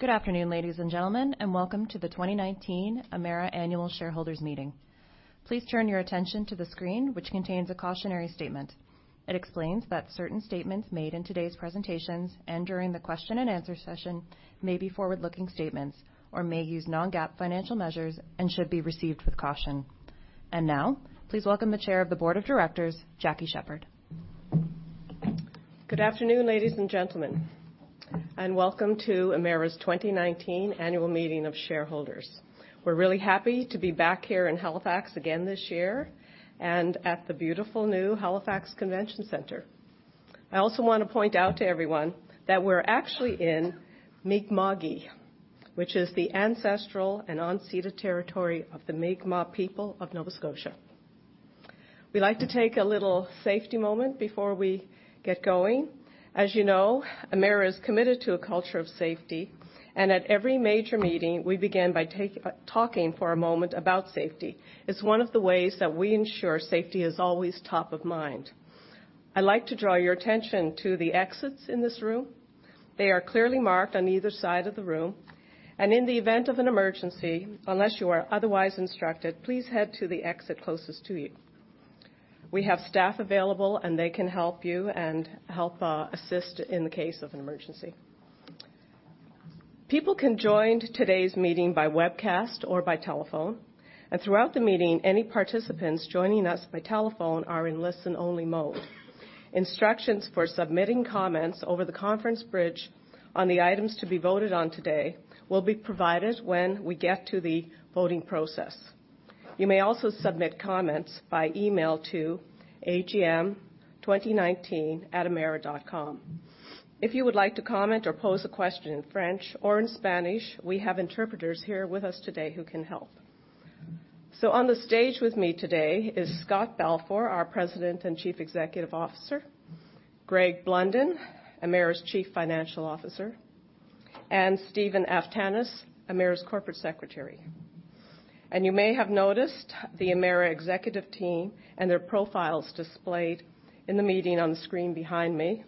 Good afternoon, ladies and gentlemen. Welcome to the 2019 Emera Annual Shareholders Meeting. Please turn your attention to the screen, which contains a cautionary statement. It explains that certain statements made in today's presentations and during the question and answer session may be forward-looking statements or may use non-GAAP financial measures and should be received with caution. Now, please welcome the Chair of the Board of Directors, Jackie Sheppard. Good afternoon, ladies and gentlemen. Welcome to Emera's 2019 Annual Meeting of Shareholders. We're really happy to be back here in Halifax again this year and at the beautiful new Halifax Convention Centre. I also want to point out to everyone that we're actually in Mi'kma'ki, which is the ancestral and unseated territory of the Mi'kmaq people of Nova Scotia. We like to take a little safety moment before we get going. As you know, Emera is committed to a culture of safety, and at every major meeting, we begin by talking for a moment about safety. It's one of the ways that we ensure safety is always top of mind. I'd like to draw your attention to the exits in this room. They are clearly marked on either side of the room. In the event of an emergency, unless you are otherwise instructed, please head to the exit closest to you. We have staff available, they can help you and help assist in the case of an emergency. People can join today's meeting by webcast or by telephone. Throughout the meeting, any participants joining us by telephone are in listen-only mode. Instructions for submitting comments over the conference bridge on the items to be voted on today will be provided when we get to the voting process. You may also submit comments by email to agm2019@emera.com. If you would like to comment or pose a question in French or in Spanish, we have interpreters here with us today who can help. On the stage with me today is Scott Balfour, our President and Chief Executive Officer, Greg Blunden, Emera's Chief Financial Officer, and Stephen Aftanas, Emera's Corporate Secretary. You may have noticed the Emera executive team and their profiles displayed in the meeting on the screen behind me.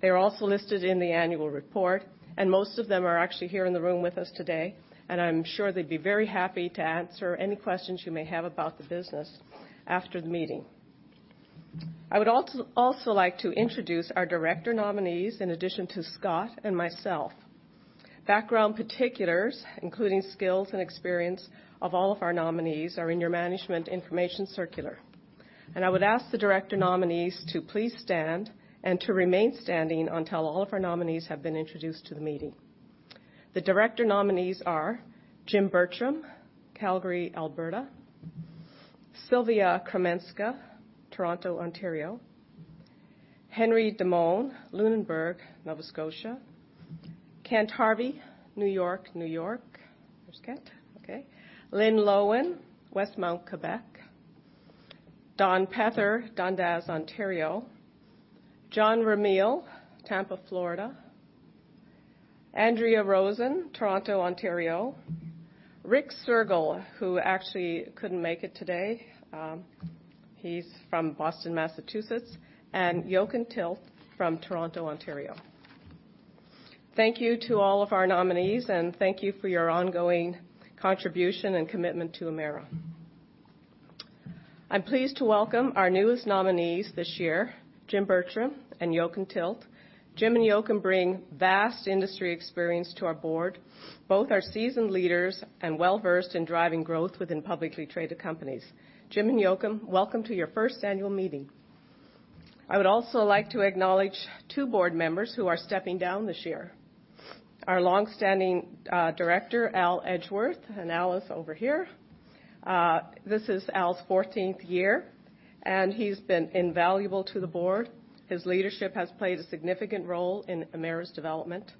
They're also listed in the annual report, most of them are actually here in the room with us today, I'm sure they'd be very happy to answer any questions you may have about the business after the meeting. I would also like to introduce our director nominees in addition to Scott and myself. Background particulars, including skills and experience of all of our nominees are in your management information circular. I would ask the director nominees to please stand and to remain standing until all of our nominees have been introduced to the meeting. The director nominees are Jim Bertram, Calgary, Alberta; Sylvia Chrominska, Toronto, Ontario; Henry Demone, Lunenburg, Nova Scotia; Kent Harvey, New York, New York. There's Kent. Okay. Lynn Loewen, Westmount, Quebec; Don Pether, Dundas, Ontario; John Ramil, Tampa, Florida; Andrea Rosen, Toronto, Ontario; Rick Sergel, who actually couldn't make it today, he's from Boston, Massachusetts; and Jochen Tilk from Toronto, Ontario. Thank you to all of our nominees, and thank you for your ongoing contribution and commitment to Emera. I'm pleased to welcome our newest nominees this year, Jim Bertram and Jochen Tilk. Jim and Jochen bring vast industry experience to our board. Both are seasoned leaders and well-versed in driving growth within publicly traded companies. Jim and Jochen, welcome to your first annual meeting. I would also like to acknowledge two board members who are stepping down this year. Our longstanding director, Al Edgeworth, and Al is over here. This is Al's 14th year, and he's been invaluable to the board. His leadership has played a significant role in Emera's development.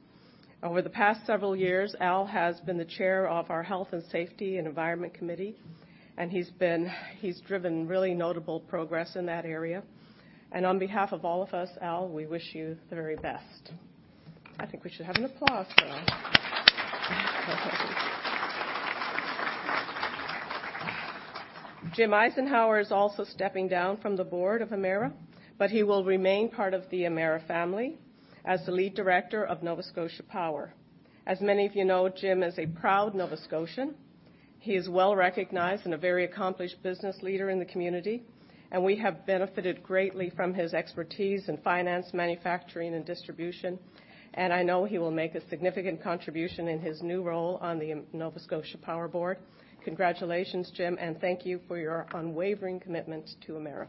Over the past several years, Al has been the chair of our Health and Safety and Environment Committee, and he's driven really notable progress in that area. On behalf of all of us, Al, we wish you the very best. I think we should have an applause for Al. Jim Eisenhauer is also stepping down from the board of Emera, but he will remain part of the Emera family as the lead director of Nova Scotia Power. As many of you know, Jim is a proud Nova Scotian. He is well-recognized and a very accomplished business leader in the community, and we have benefited greatly from his expertise in finance, manufacturing, and distribution, and I know he will make a significant contribution in his new role on the Nova Scotia Power Board. Congratulations, Jim, and thank you for your unwavering commitment to Emera.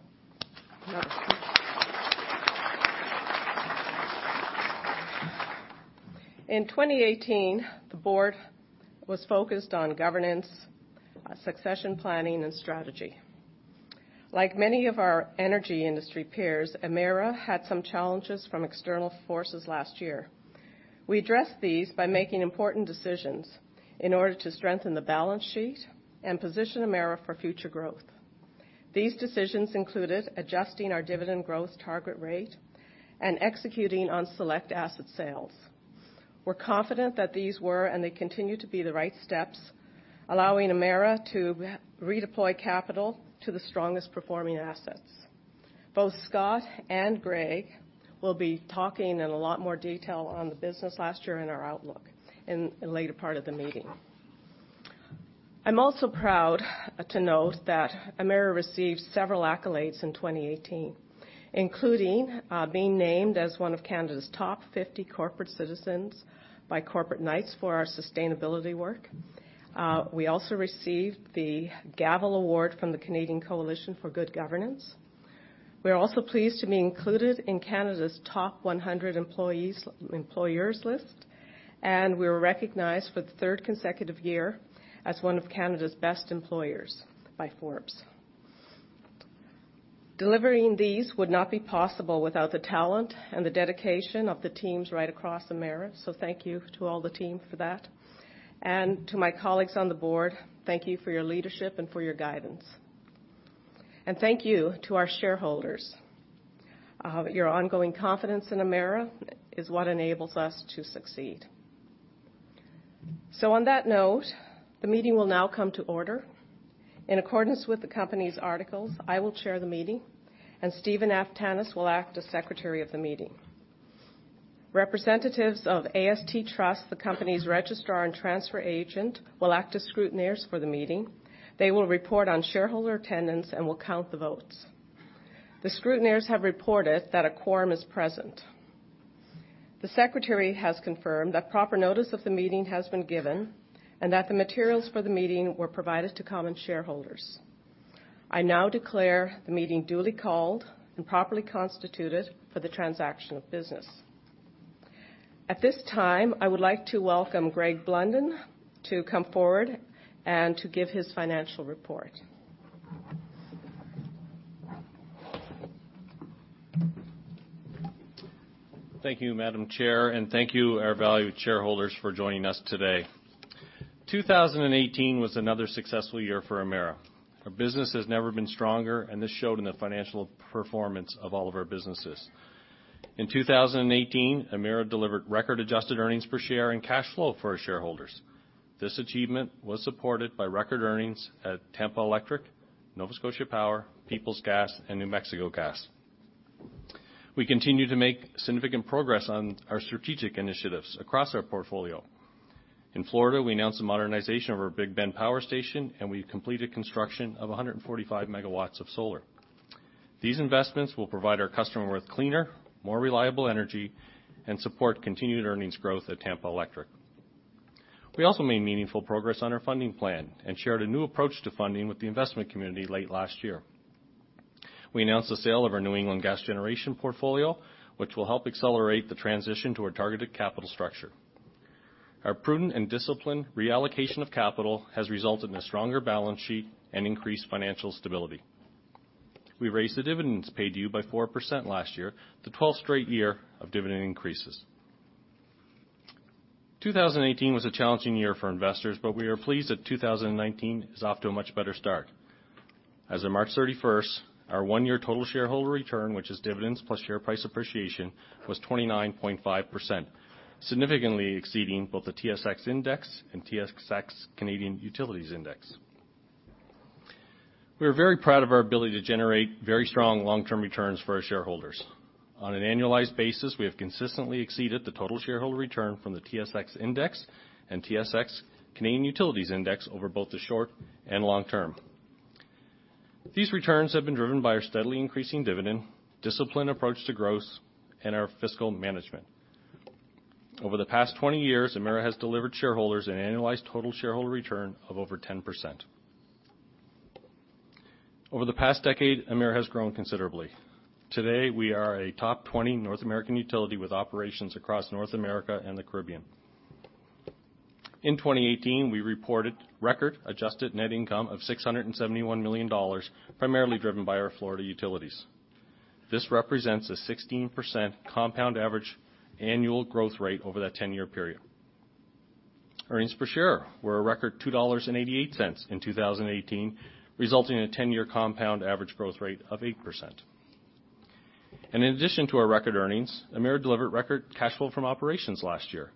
In 2018, the board was focused on governance, succession planning, and strategy. Like many of our energy industry peers, Emera had some challenges from external forces last year. We addressed these by making important decisions in order to strengthen the balance sheet and position Emera for future growth. These decisions included adjusting our dividend growth target rate and executing on select asset sales. We're confident that these were, and they continue to be the right steps, allowing Emera to redeploy capital to the strongest-performing assets. Both Scott and Greg will be talking in a lot more detail on the business last year and our outlook in the later part of the meeting. I'm also proud to note that Emera received several accolades in 2018, including being named as one of Canada's top 50 corporate citizens by Corporate Knights for our sustainability work. We also received the Gavel Award from the Canadian Coalition for Good Governance. We are also pleased to be included in Canada's Top 100 Employers List, and we were recognized for the third consecutive year as one of Canada's best employers by Forbes. Delivering these would not be possible without the talent and the dedication of the teams right across Emera. Thank you to all the team for that. To my colleagues on the board, thank you for your leadership and for your guidance. Thank you to our shareholders. Your ongoing confidence in Emera is what enables us to succeed. On that note, the meeting will now come to order. In accordance with the company's articles, I will chair the meeting, and Stephen Aftanas will act as secretary of the meeting. Representatives of AST Trust, the company's registrar and transfer agent, will act as scrutineers for the meeting. They will report on shareholder attendance and will count the votes. The scrutineers have reported that a quorum is present. The secretary has confirmed that proper notice of the meeting has been given and that the materials for the meeting were provided to common shareholders. I now declare the meeting duly called and properly constituted for the transaction of business. At this time, I would like to welcome Greg Blunden to come forward and to give his financial report. Thank you, Madam Chair, thank you our valued shareholders for joining us today. 2018 was another successful year for Emera. Our business has never been stronger, and this showed in the financial performance of all of our businesses. In 2018, Emera delivered record-adjusted earnings per share and cash flow for our shareholders. This achievement was supported by record earnings at Tampa Electric, Nova Scotia Power, Peoples Gas, and New Mexico Gas. We continue to make significant progress on our strategic initiatives across our portfolio. In Florida, we announced the modernization of our Big Bend Power station, we've completed construction of 145 megawatts of solar. These investments will provide our customers with cleaner, more reliable energy and support continued earnings growth at Tampa Electric. We also made meaningful progress on our funding plan and shared a new approach to funding with the investment community late last year. We announced the sale of our New England Gas generation portfolio, which will help accelerate the transition to our targeted capital structure. Our prudent and disciplined reallocation of capital has resulted in a stronger balance sheet and increased financial stability. We raised the dividends paid to you by 4% last year, the 12th straight year of dividend increases. 2018 was a challenging year for investors, we are pleased that 2019 is off to a much better start. As of March 31st, our one-year total shareholder return, which is dividends plus share price appreciation, was 29.5%, significantly exceeding both the TSX Index and TSX Canadian Utilities Index. We are very proud of our ability to generate very strong long-term returns for our shareholders. On an annualized basis, we have consistently exceeded the total shareholder return from the TSX Index and TSX Canadian Utilities Index over both the short and long term. These returns have been driven by our steadily increasing dividend, disciplined approach to growth, and our fiscal management. Over the past 20 years, Emera has delivered shareholders an annualized total shareholder return of over 10%. Over the past decade, Emera has grown considerably. Today, we are a top 20 North American utility with operations across North America and the Caribbean. In 2018, we reported record adjusted net income of 671 million dollars, primarily driven by our Florida utilities. This represents a 16% compound average annual growth rate over that 10-year period. Earnings per share were a record 2.88 dollars in 2018, resulting in a 10-year compound average growth rate of 8%. In addition to our record earnings, Emera delivered record cash flow from operations last year.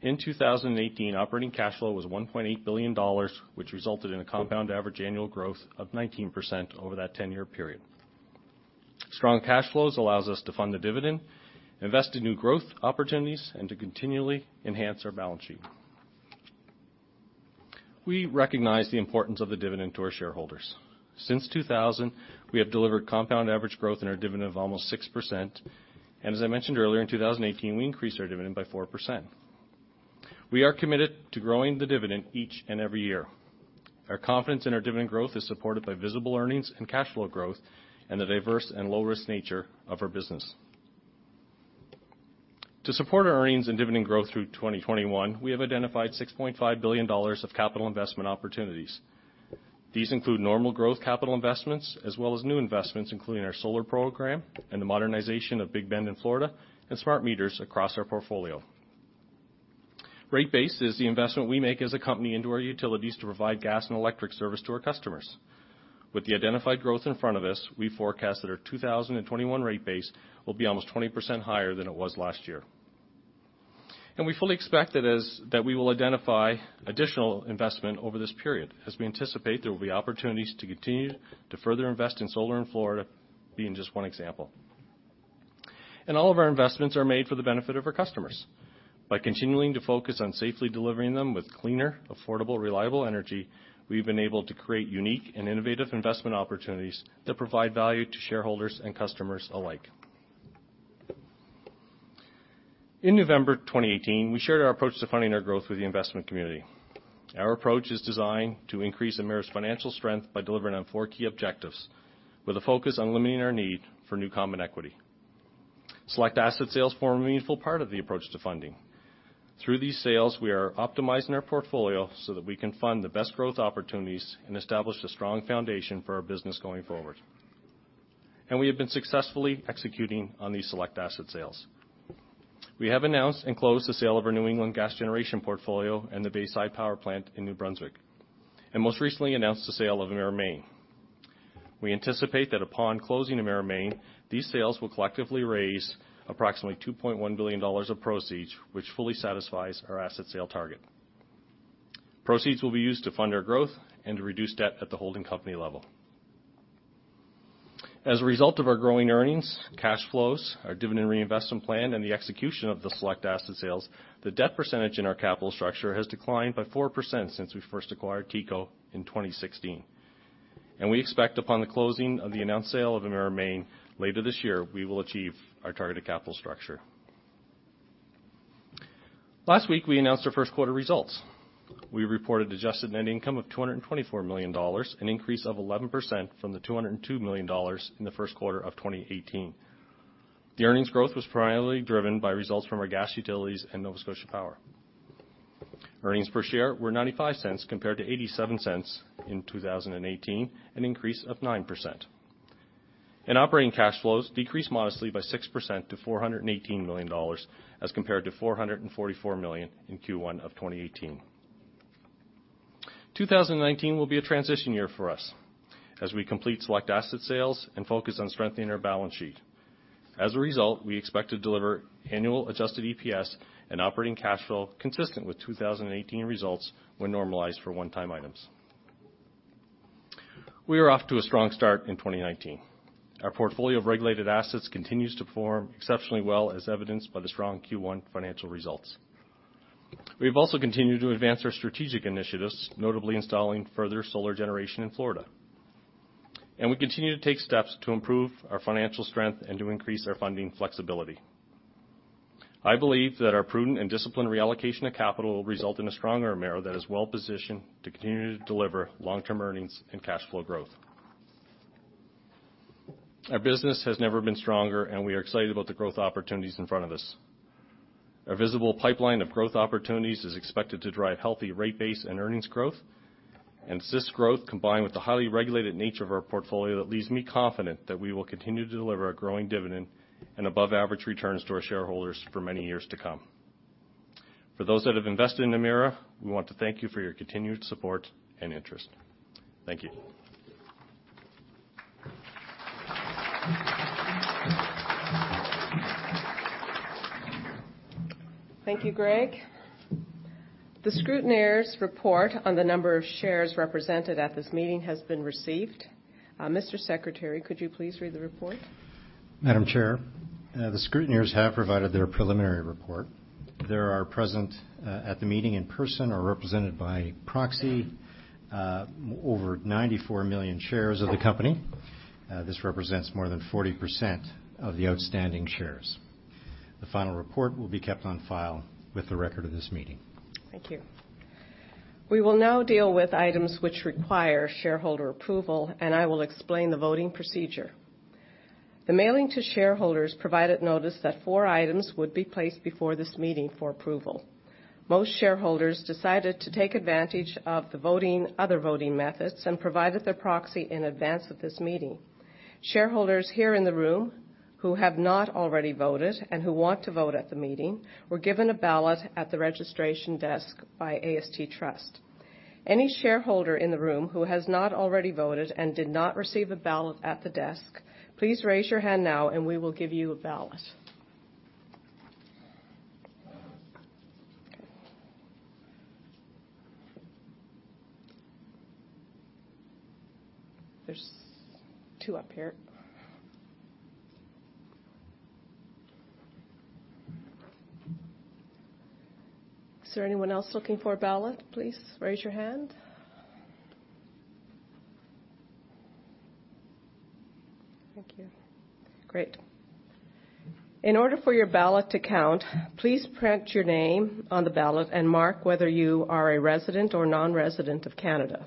In 2018, operating cash flow was 1.8 billion dollars, which resulted in a compound average annual growth of 19% over that 10-year period. Strong cash flows allow us to fund the dividend, invest in new growth opportunities, and to continually enhance our balance sheet. We recognize the importance of the dividend to our shareholders. Since 2000, we have delivered compound average growth in our dividend of almost 6%. As I mentioned earlier, in 2018, we increased our dividend by 4%. We are committed to growing the dividend each and every year. Our confidence in our dividend growth is supported by visible earnings and cash flow growth and the diverse and low-risk nature of our business. To support our earnings and dividend growth through 2021, we have identified 6.5 billion dollars of capital investment opportunities. These include normal growth capital investments as well as new investments, including our solar program and the modernization of Big Bend in Florida and smart meters across our portfolio. Rate base is the investment we make as a company into our utilities to provide gas and electric service to our customers. With the identified growth in front of us, we forecast that our 2021 rate base will be almost 20% higher than it was last year. We fully expect that we will identify additional investment over this period as we anticipate there will be opportunities to continue to further invest in solar in Florida, being just one example. All of our investments are made for the benefit of our customers. By continuing to focus on safely delivering them with cleaner, affordable, reliable energy, we've been able to create unique and innovative investment opportunities that provide value to shareholders and customers alike. In November 2018, we shared our approach to funding our growth with the investment community. Our approach is designed to increase Emera's financial strength by delivering on four key objectives with a focus on limiting our need for new common equity. Select asset sales form a meaningful part of the approach to funding. Through these sales, we are optimizing our portfolio so that we can fund the best growth opportunities and establish a strong foundation for our business going forward. We have been successfully executing on these select asset sales. We have announced and closed the sale of our New England gas generation portfolio and the Bayside power plant in New Brunswick, and most recently announced the sale of Emera Maine. We anticipate that upon closing Emera Maine, these sales will collectively raise approximately 2.1 billion dollars of proceeds, which fully satisfies our asset sale target. Proceeds will be used to fund our growth and to reduce debt at the holding company level. As a result of our growing earnings, cash flows, our dividend reinvestment plan, and the execution of the select asset sales, the debt percentage in our capital structure has declined by 4% since we first acquired TECO in 2016. We expect upon the closing of the announced sale of Emera Maine later this year, we will achieve our targeted capital structure. Last week, we announced our first quarter results. We reported adjusted net income of 224 million dollars, an increase of 11% from the 202 million dollars in the first quarter of 2018. The earnings growth was primarily driven by results from our gas utilities and Nova Scotia Power. Earnings per share were 0.95 compared to 0.87 in 2018, an increase of 9%. Operating cash flows decreased modestly by 6% to 418 million dollars as compared to 444 million in Q1 of 2018. 2019 will be a transition year for us as we complete select asset sales and focus on strengthening our balance sheet. As a result, we expect to deliver annual adjusted EPS and operating cash flow consistent with 2018 results when normalized for one-time items. We are off to a strong start in 2019. Our portfolio of regulated assets continues to perform exceptionally well, as evidenced by the strong Q1 financial results. We've also continued to advance our strategic initiatives, notably installing further solar generation in Florida. We continue to take steps to improve our financial strength and to increase our funding flexibility. I believe that our prudent and disciplined reallocation of capital will result in a stronger Emera that is well-positioned to continue to deliver long-term earnings and cash flow growth. Our business has never been stronger, and we are excited about the growth opportunities in front of us. Our visible pipeline of growth opportunities is expected to drive healthy rate base and earnings growth and asset growth combined with the highly regulated nature of our portfolio that leaves me confident that we will continue to deliver a growing dividend and above-average returns to our shareholders for many years to come. For those that have invested in Emera, we want to thank you for your continued support and interest. Thank you. Thank you, Greg. The scrutineers' report on the number of shares represented at this meeting has been received. Mr. Secretary, could you please read the report? Madam Chair, the scrutineers have provided their preliminary report. There are present at the meeting in person or represented by proxy, over 94 million shares of the company. This represents more than 40% of the outstanding shares. The final report will be kept on file with the record of this meeting. Thank you. We will now deal with items which require shareholder approval. I will explain the voting procedure. The mailing to shareholders provided notice that four items would be placed before this meeting for approval. Most shareholders decided to take advantage of the other voting methods and provided their proxy in advance of this meeting. Shareholders here in the room who have not already voted and who want to vote at the meeting were given a ballot at the registration desk by AST Trust. Any shareholder in the room who has not already voted and did not receive a ballot at the desk, please raise your hand now. We will give you a ballot. Okay. There's two up here. Is there anyone else looking for a ballot? Please raise your hand. Thank you. Great. In order for your ballot to count, please print your name on the ballot and mark whether you are a resident or non-resident of Canada.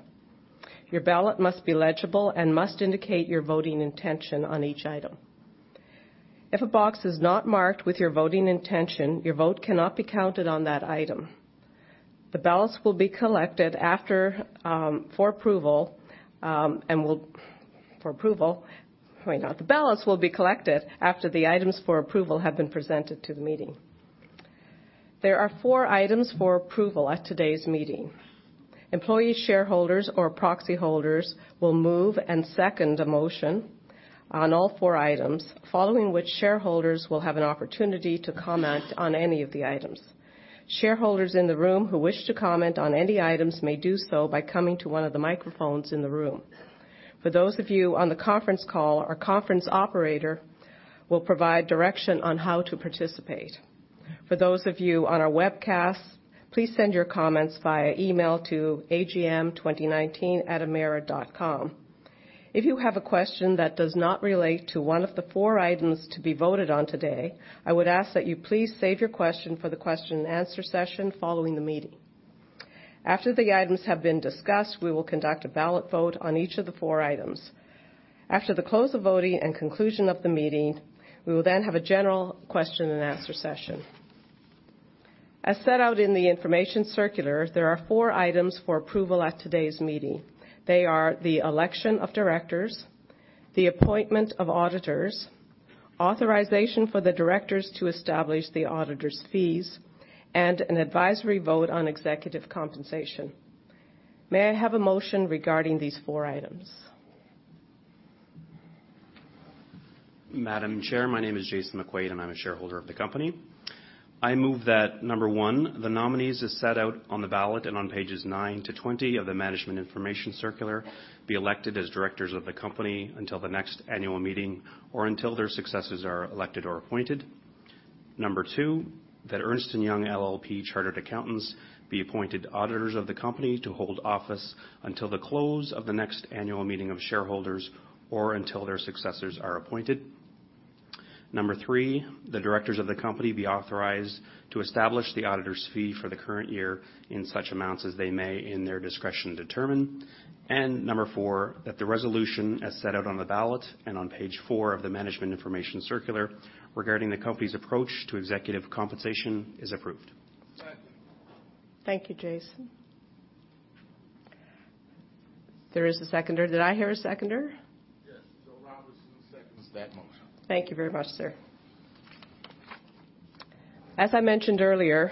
Your ballot must be legible and must indicate your voting intention on each item. If a box is not marked with your voting intention, your vote cannot be counted on that item. The ballots will be collected after the items for approval have been presented to the meeting. There are four items for approval at today's meeting. Employee shareholders or proxy holders will move and second a motion on all four items, following which shareholders will have an opportunity to comment on any of the items. Shareholders in the room who wish to comment on any items may do so by coming to one of the microphones in the room. For those of you on the conference call, our conference operator will provide direction on how to participate. For those of you on our webcast, please send your comments via email to agm2019@emera.com. If you have a question that does not relate to one of the four items to be voted on today, I would ask that you please save your question for the question and answer session following the meeting. After the items have been discussed, we will conduct a ballot vote on each of the four items. After the close of voting and conclusion of the meeting, we will then have a general question and answer session. As set out in the information circular, there are four items for approval at today's meeting. They are the election of directors, the appointment of auditors, authorization for the directors to establish the auditors' fees, and an advisory vote on executive compensation. May I have a motion regarding these four items? Madam Chair, my name is Jason McQuaid, I'm a shareholder of the company. I move that number 1, the nominees as set out on the ballot and on pages nine to 20 of the management information circular be elected as directors of the company until the next annual meeting or until their successors are elected or appointed. Number 2, that Ernst & Young LLP, Chartered Accountants be appointed auditors of the company to hold office until the close of the next annual meeting of shareholders or until their successors are appointed. Number 3, the directors of the company be authorized to establish the auditor's fee for the current year in such amounts as they may, in their discretion, determine. Number 4, that the resolution as set out on the ballot and on page four of the management information circular regarding the company's approach to executive compensation is approved. Second. Thank you, Jason. There is a seconder. Did I hear a seconder? Yes. Joe Robinson seconds that motion. Thank you very much, sir. As I mentioned earlier,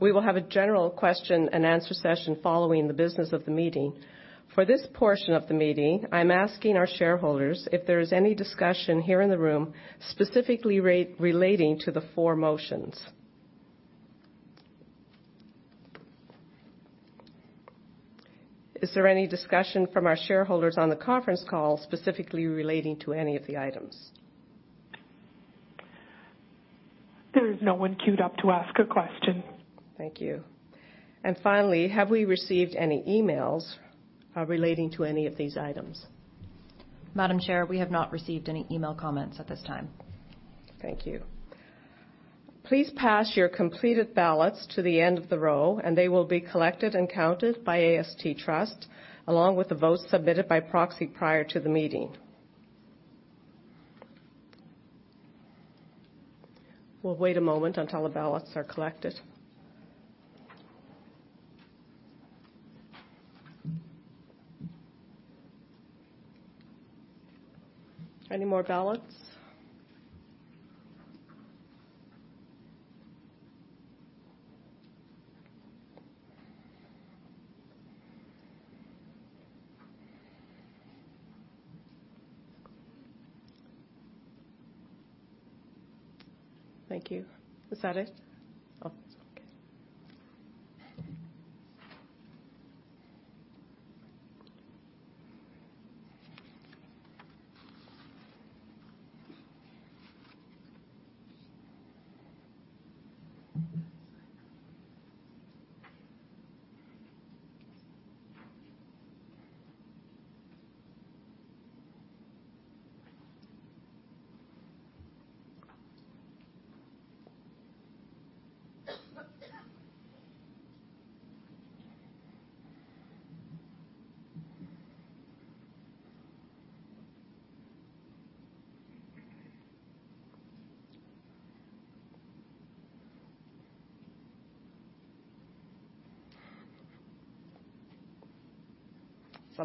we will have a general question and answer session following the business of the meeting. For this portion of the meeting, I'm asking our shareholders if there is any discussion here in the room specifically relating to the four motions. Is there any discussion from our shareholders on the conference call specifically relating to any of the items? There is no one queued up to ask a question. Thank you. Finally, have we received any emails relating to any of these items? Madam Chair, we have not received any email comments at this time. Thank you. Please pass your completed ballots to the end of the row, and they will be collected and counted by AST Trust, along with the votes submitted by proxy prior to the meeting. We'll wait a moment until the ballots are collected. Any more ballots? Thank you. Is that it?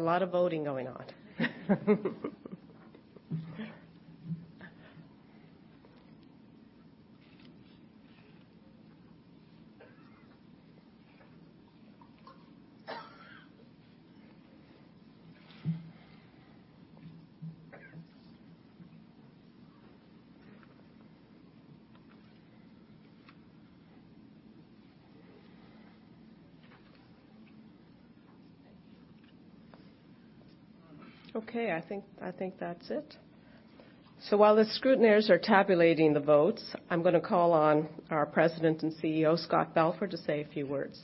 Okay. There's a lot of voting going on. Okay, I think that's it. While the scrutineers are tabulating the votes, I'm going to call on our President and CEO, Scott Balfour, to say a few words.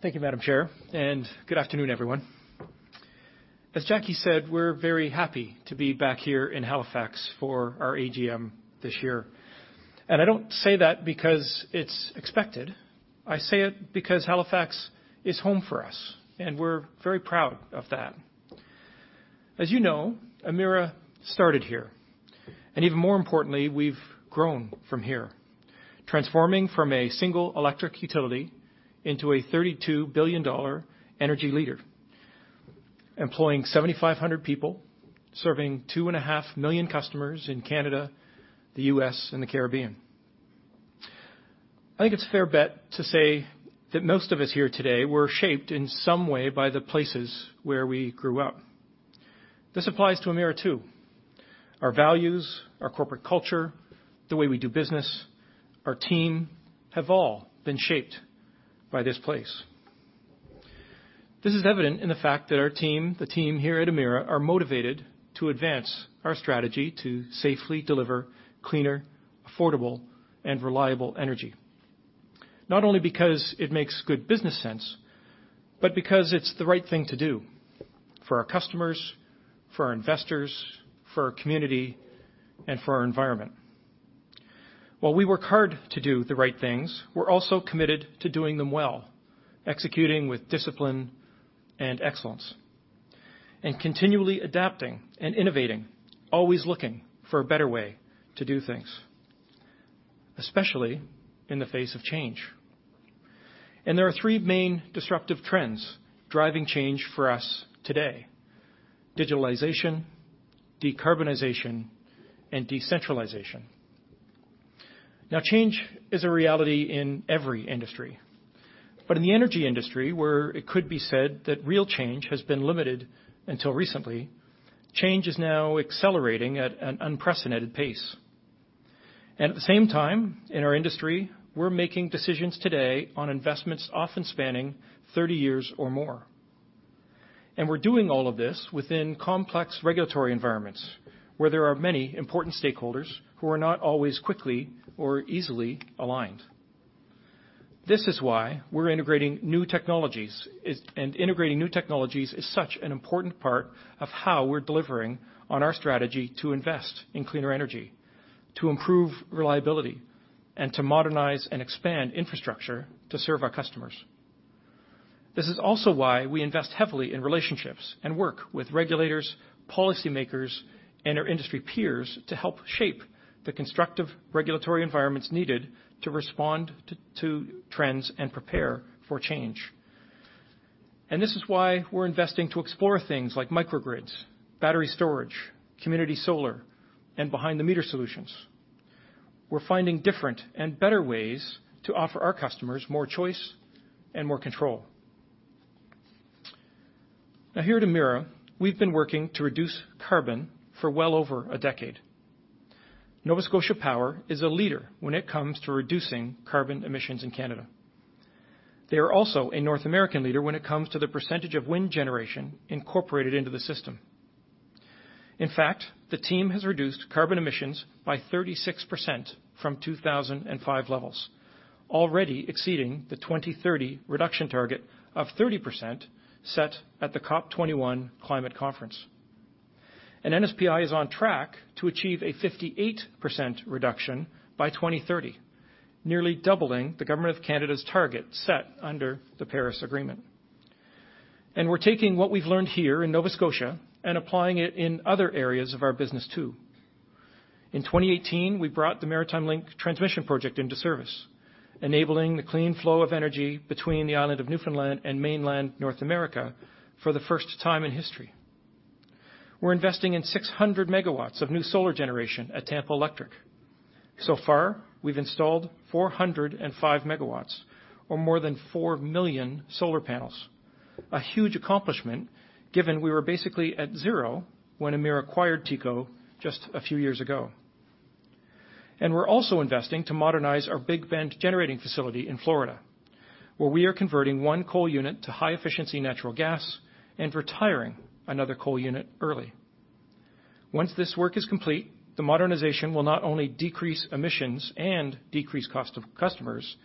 Thank you, Madam Chair, and good afternoon, everyone. As Jackie said, we're very happy to be back here in Halifax for our AGM this year. I don't say that because it's expected. I say it because Halifax is home for us, and we're very proud of that. As you know, Emera started here, and even more importantly, we've grown from here, transforming from a single electric utility into a 32 billion dollar energy leader. Employing 7,500 people, serving two and a half million customers in Canada, the U.S., and the Caribbean. I think it's a fair bet to say that most of us here today were shaped in some way by the places where we grew up. This applies to Emera too. Our values, our corporate culture, the way we do business, our team, have all been shaped by this place. This is evident in the fact that our team, the team here at Emera, are motivated to advance our strategy to safely deliver cleaner, affordable, and reliable energy. Not only because it makes good business sense, but because it's the right thing to do for our customers, for our investors, for our community, and for our environment. While we work hard to do the right things, we're also committed to doing them well, executing with discipline and excellence, and continually adapting and innovating, always looking for a better way to do things, especially in the face of change. There are three main disruptive trends driving change for us today: digitalization, decarbonization, and decentralization. Change is a reality in every industry. In the energy industry, where it could be said that real change has been limited until recently, change is now accelerating at an unprecedented pace. At the same time, in our industry, we're making decisions today on investments often spanning 30 years or more. We're doing all of this within complex regulatory environments, where there are many important stakeholders who are not always quickly or easily aligned. This is why we're integrating new technologies, and integrating new technologies is such an important part of how we're delivering on our strategy to invest in cleaner energy, to improve reliability, and to modernize and expand infrastructure to serve our customers. This is also why we invest heavily in relationships and work with regulators, policymakers, and our industry peers to help shape the constructive regulatory environments needed to respond to trends and prepare for change. This is why we're investing to explore things like microgrids, battery storage, community solar, and behind-the-meter solutions. We're finding different and better ways to offer our customers more choice and more control. Here at Emera, we've been working to reduce carbon for well over a decade. Nova Scotia Power is a leader when it comes to reducing carbon emissions in Canada. They are also a North American leader when it comes to the percentage of wind generation incorporated into the system. In fact, the team has reduced carbon emissions by 36% from 2005 levels, already exceeding the 2030 reduction target of 30% set at the COP 21 climate conference. NSPI is on track to achieve a 58% reduction by 2030, nearly doubling the government of Canada's target set under the Paris Agreement. We're taking what we've learned here in Nova Scotia and applying it in other areas of our business, too. In 2018, we brought the Maritime Link transmission project into service, enabling the clean flow of energy between the island of Newfoundland and mainland North America for the first time in history. We're investing in 600 megawatts of new solar generation at Tampa Electric. So far, we've installed 405 megawatts or more than 4 million solar panels. A huge accomplishment given we were basically at zero when Emera acquired TECO just a few years ago. We're also investing to modernize our Big Bend generating facility in Florida, where we are converting one coal unit to high-efficiency natural gas and retiring another coal unit early. Once this work is complete, the modernization will not only decrease emissions and decrease cost of customers,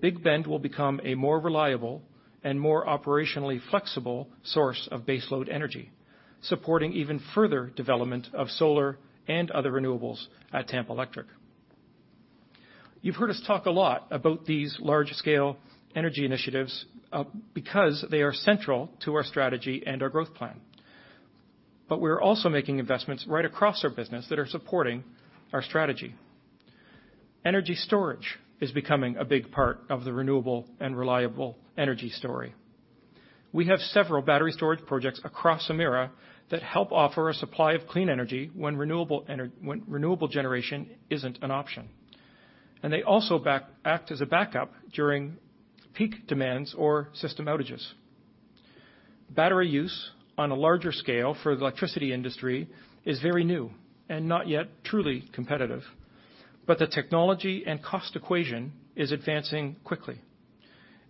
Big Bend will become a more reliable and more operationally flexible source of base load energy, supporting even further development of solar and other renewables at Tampa Electric. You've heard us talk a lot about these large-scale energy initiatives, because they are central to our strategy and our growth plan. We're also making investments right across our business that are supporting our strategy. Energy storage is becoming a big part of the renewable and reliable energy story. We have several battery storage projects across Emera that help offer a supply of clean energy when renewable generation isn't an option. They also act as a backup during peak demands or system outages. Battery use on a larger scale for the electricity industry is very new and not yet truly competitive, but the technology and cost equation is advancing quickly,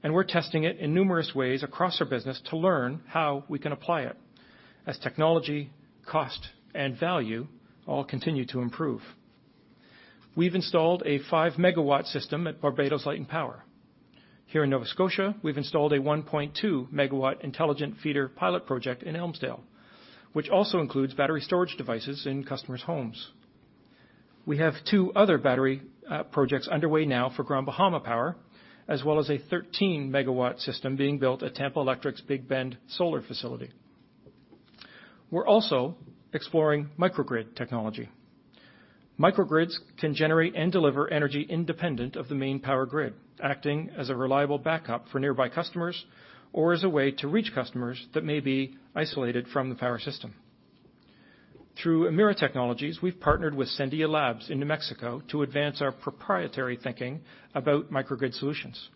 and we're testing it in numerous ways across our business to learn how we can apply it as technology, cost, and value all continue to improve. We've installed a 5 MW system at Barbados Light & Power. Here in Nova Scotia, we've installed a 1.2 MW intelligent feeder pilot project in Elmsdale, which also includes battery storage devices in customers' homes. We have two other battery projects underway now for Grand Bahama Power, as well as a 13 MW system being built at Tampa Electric's Big Bend solar facility. We're also exploring microgrid technology. Microgrids can generate and deliver energy independent of the main power grid, acting as a reliable backup for nearby customers or as a way to reach customers that may be isolated from the power system. Through Emera Technologies, we've partnered with Sandia Labs in New Mexico to advance our proprietary thinking about microgrid solutions.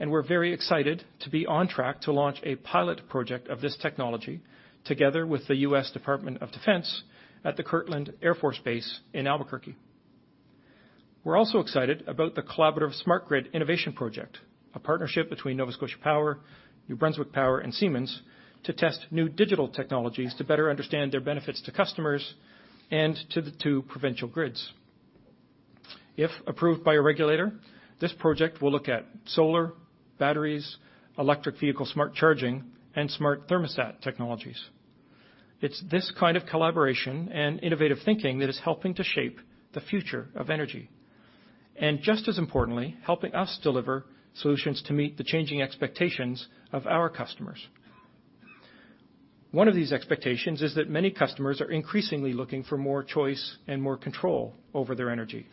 We're very excited to be on track to launch a pilot project of this technology together with the U.S. Department of Defense at the Kirtland Air Force Base in Albuquerque. We're also excited about the collaborative Smart Grid Innovation Project, a partnership between Nova Scotia Power, New Brunswick Power, and Siemens to test new digital technologies to better understand their benefits to customers and to the two provincial grids. If approved by a regulator, this project will look at solar, batteries, electric vehicle smart charging, and smart thermostat technologies. It's this kind of collaboration and innovative thinking that is helping to shape the future of energy. Just as importantly, helping us deliver solutions to meet the changing expectations of our customers. One of these expectations is that many customers are increasingly looking for more choice and more control over their energy.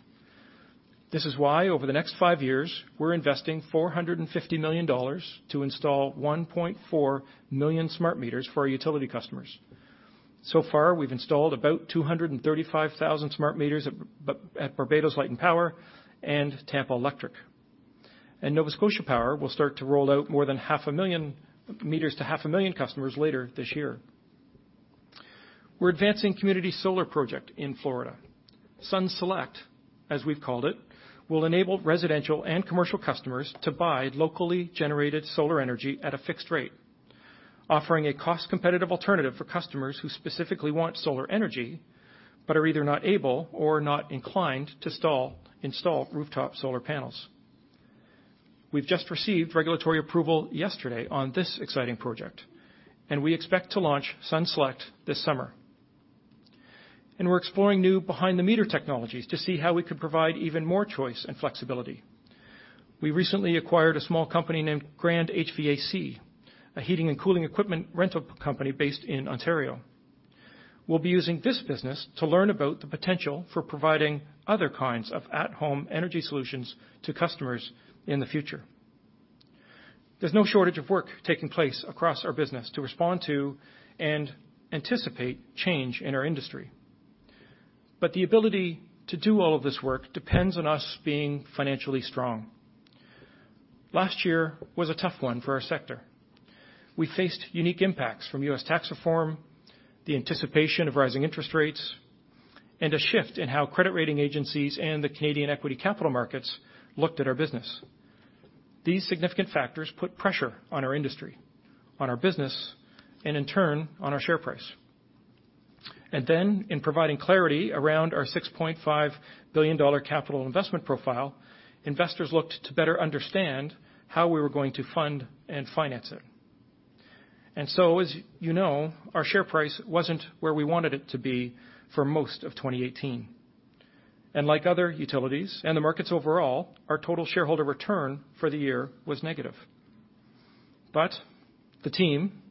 This is why over the next five years, we're investing 450 million dollars to install 1.4 million smart meters for our utility customers. So far, we've installed about 235,000 smart meters at Barbados Light & Power and Tampa Electric. Nova Scotia Power will start to roll out more than half a million meters to half a million customers later this year. We're advancing community solar project in Florida. Sun Select, as we've called it, will enable residential and commercial customers to buy locally generated solar energy at a fixed rate, offering a cost-competitive alternative for customers who specifically want solar energy, but are either not able or not inclined to install rooftop solar panels. We've just received regulatory approval yesterday on this exciting project. We expect to launch Sun Select this summer. We're exploring new behind-the-meter technologies to see how we could provide even more choice and flexibility. We recently acquired a small company named Grand HVAC, a heating and cooling equipment rental company based in Ontario. We'll be using this business to learn about the potential for providing other kinds of at-home energy solutions to customers in the future. There's no shortage of work taking place across our business to respond to and anticipate change in our industry. The ability to do all of this work depends on us being financially strong. Last year was a tough one for our sector. We faced unique impacts from U.S. tax reform, the anticipation of rising interest rates, and a shift in how credit rating agencies and the Canadian equity capital markets looked at our business. These significant factors put pressure on our industry, on our business, and in turn, on our share price. In providing clarity around our 6.5 billion dollar capital investment profile, investors looked to better understand how we were going to fund and finance it. As you know, our share price wasn't where we wanted it to be for most of 2018. Like other utilities and the markets overall, our total shareholder return for the year was negative. The team,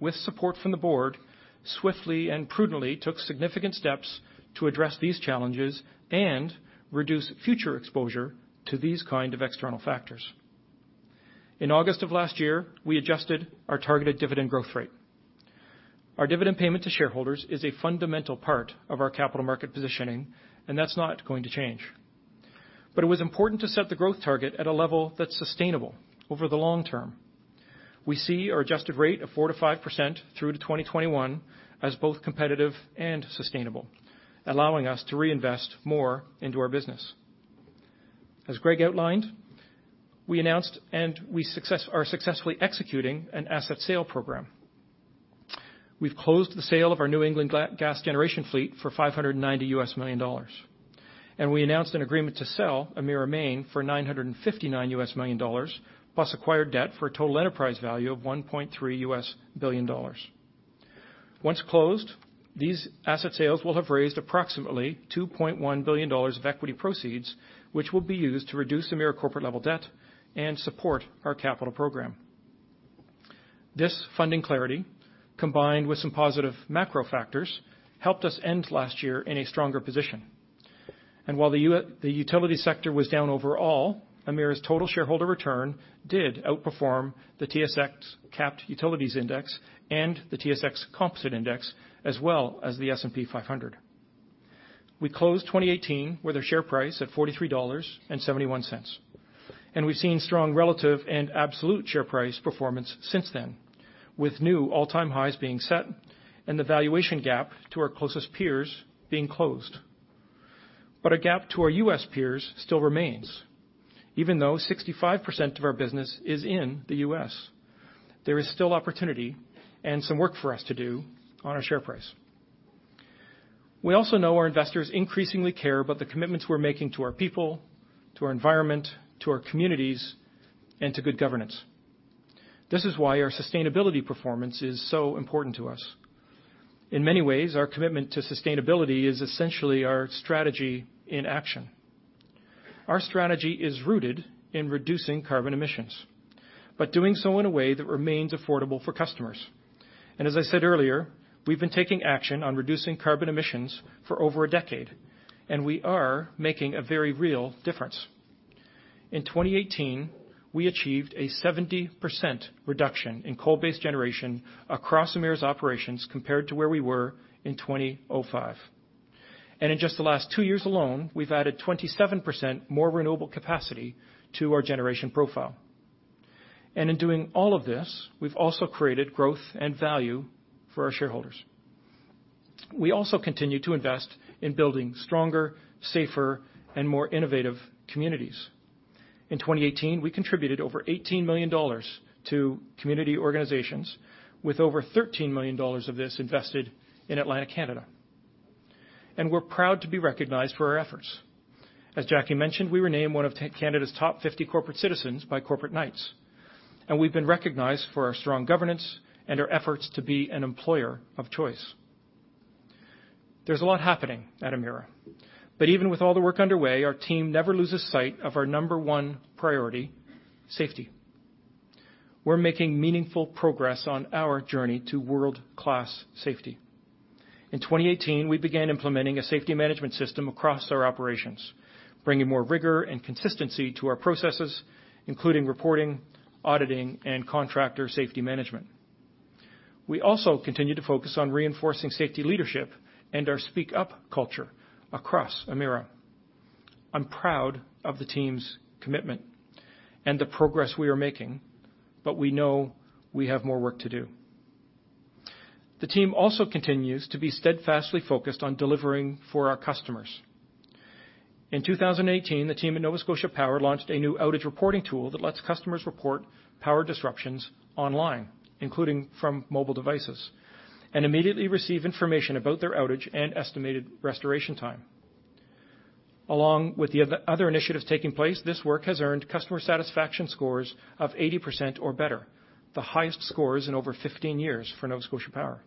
with support from the board, swiftly and prudently took significant steps to address these challenges and reduce future exposure to these kinds of external factors. In August of last year, we adjusted our targeted dividend growth rate. Our dividend payment to shareholders is a fundamental part of our capital market positioning, and that's not going to change. It was important to set the growth target at a level that's sustainable over the long term. We see our adjusted rate of 4%-5% through to 2021 as both competitive and sustainable, allowing us to reinvest more into our business. As Greg outlined, we announced and we are successfully executing an asset sale program. We've closed the sale of our New England gas generation fleet for $590 million. We announced an agreement to sell Emera Maine for $959 million, plus acquired debt for a total enterprise value of $1.3 billion. Once closed, these asset sales will have raised approximately 2.1 billion dollars of equity proceeds, which will be used to reduce Emera corporate-level debt and support our capital program. This funding clarity, combined with some positive macro factors, helped us end last year in a stronger position. While the utility sector was down overall, Emera's total shareholder return did outperform the S&P/TSX Capped Utilities Index and the S&P/TSX Composite Index, as well as the S&P 500. We closed 2018 with a share price at 43.71 dollars. We've seen strong relative and absolute share price performance since then, with new all-time highs being set and the valuation gap to our closest peers being closed. A gap to our U.S. peers still remains, even though 65% of our business is in the U.S. There is still opportunity and some work for us to do on our share price. We also know our investors increasingly care about the commitments we're making to our people, to our environment, to our communities, and to good governance. This is why our sustainability performance is so important to us. In many ways, our commitment to sustainability is essentially our strategy in action. Our strategy is rooted in reducing carbon emissions, but doing so in a way that remains affordable for customers. As I said earlier, we've been taking action on reducing carbon emissions for over a decade, and we are making a very real difference. In 2018, we achieved a 70% reduction in coal-based generation across Emera's operations compared to where we were in 2005. In just the last two years alone, we've added 27% more renewable capacity to our generation profile. In doing all of this, we've also created growth and value for our shareholders. We also continue to invest in building stronger, safer, and more innovative communities. In 2018, we contributed over 18 million dollars to community organizations with over 13 million dollars of this invested in Atlantic Canada, and we're proud to be recognized for our efforts. As Jackie mentioned, we were named one of Canada's top 50 corporate citizens by Corporate Knights, and we've been recognized for our strong governance and our efforts to be an employer of choice. There's a lot happening at Emera, but even with all the work underway, our team never loses sight of our number one priority: safety. We're making meaningful progress on our journey to world-class safety. In 2018, we began implementing a safety management system across our operations, bringing more rigor and consistency to our processes, including reporting, auditing, and contractor safety management. We also continue to focus on reinforcing safety leadership and our speak up culture across Emera. I'm proud of the team's commitment and the progress we are making, but we know we have more work to do. The team also continues to be steadfastly focused on delivering for our customers. In 2018, the team at Nova Scotia Power launched a new outage reporting tool that lets customers report power disruptions online, including from mobile devices, and immediately receive information about their outage and estimated restoration time. Along with the other initiatives taking place, this work has earned customer satisfaction scores of 80% or better, the highest scores in over 15 years for Nova Scotia Power.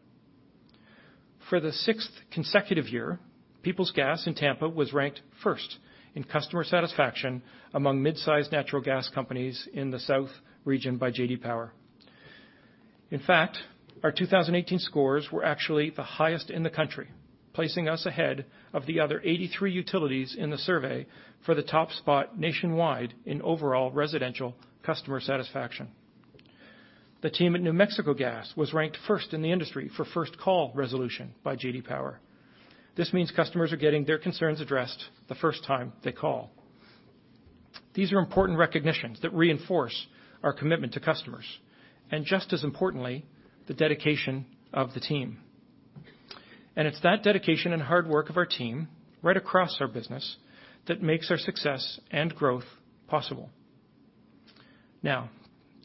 For the sixth consecutive year, Peoples Gas in Tampa was ranked first in customer satisfaction among mid-sized natural gas companies in the South region by J.D. Power. In fact, our 2018 scores were actually the highest in the country, placing us ahead of the other 83 utilities in the survey for the top spot nationwide in overall residential customer satisfaction. The team at New Mexico Gas was ranked first in the industry for first-call resolution by J.D. Power. This means customers are getting their concerns addressed the first time they call. These are important recognitions that reinforce our commitment to customers and, just as importantly, the dedication of the team. It's that dedication and hard work of our team right across our business that makes our success and growth possible. Now,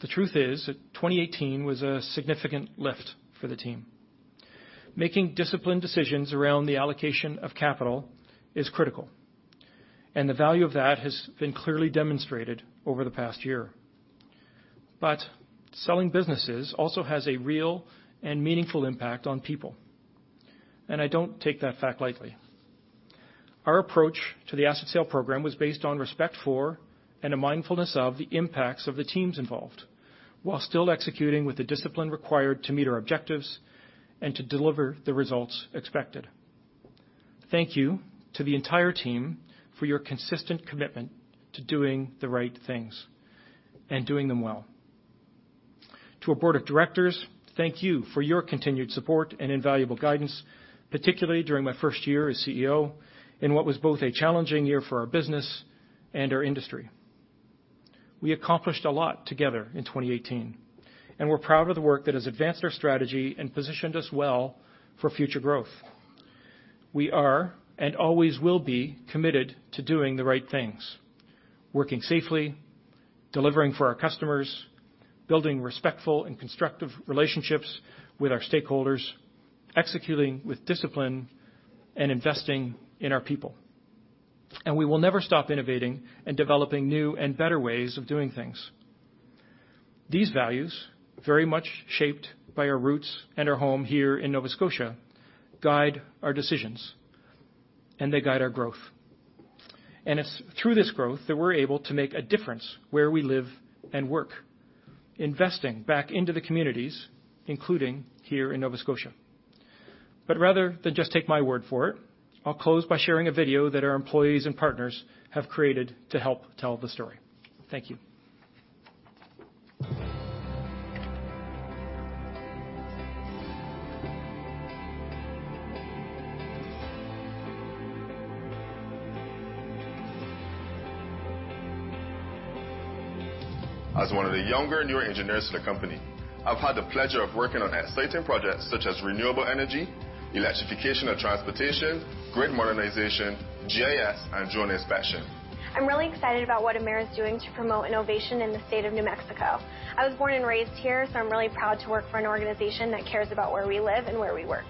the truth is that 2018 was a significant lift for the team. Making disciplined decisions around the allocation of capital is critical, and the value of that has been clearly demonstrated over the past year. Selling businesses also has a real and meaningful impact on people, and I don't take that fact lightly. Our approach to the asset sale program was based on respect for and a mindfulness of the impacts of the teams involved while still executing with the discipline required to meet our objectives and to deliver the results expected. Thank you to the entire team for your consistent commitment to doing the right things and doing them well. To our board of directors, thank you for your continued support and invaluable guidance, particularly during my first year as CEO in what was both a challenging year for our business and our industry. We accomplished a lot together in 2018, we're proud of the work that has advanced our strategy and positioned us well for future growth. We are and always will be committed to doing the right things, working safely, delivering for our customers, building respectful and constructive relationships with our stakeholders, executing with discipline, and investing in our people. We will never stop innovating and developing new and better ways of doing things. These values, very much shaped by our roots and our home here in Nova Scotia, guide our decisions, and they guide our growth. It's through this growth that we're able to make a difference where we live and work, investing back into the communities, including here in Nova Scotia. Rather than just take my word for it, I'll close by sharing a video that our employees and partners have created to help tell the story. Thank you. As one of the younger newer engineers for the company, I've had the pleasure of working on exciting projects such as renewable energy, electrification of transportation, grid modernization, GIS, and drone inspection. I'm really excited about what Emera is doing to promote innovation in the state of New Mexico. I was born and raised here, so I'm really proud to work for an organization that cares about where we live and where we work.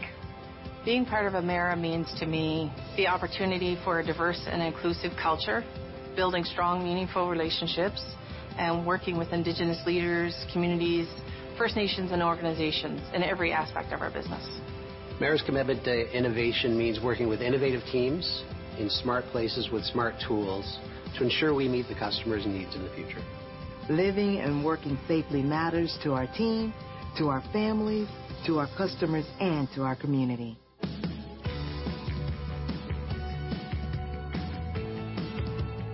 Being part of Emera means to me the opportunity for a diverse and inclusive culture, building strong, meaningful relationships, and working with Indigenous leaders, communities, First Nations, and organizations in every aspect of our business. Emera's commitment to innovation means working with innovative teams in smart places with smart tools to ensure we meet the customers' needs in the future. Living and working safely matters to our team, to our families, to our customers, and to our community.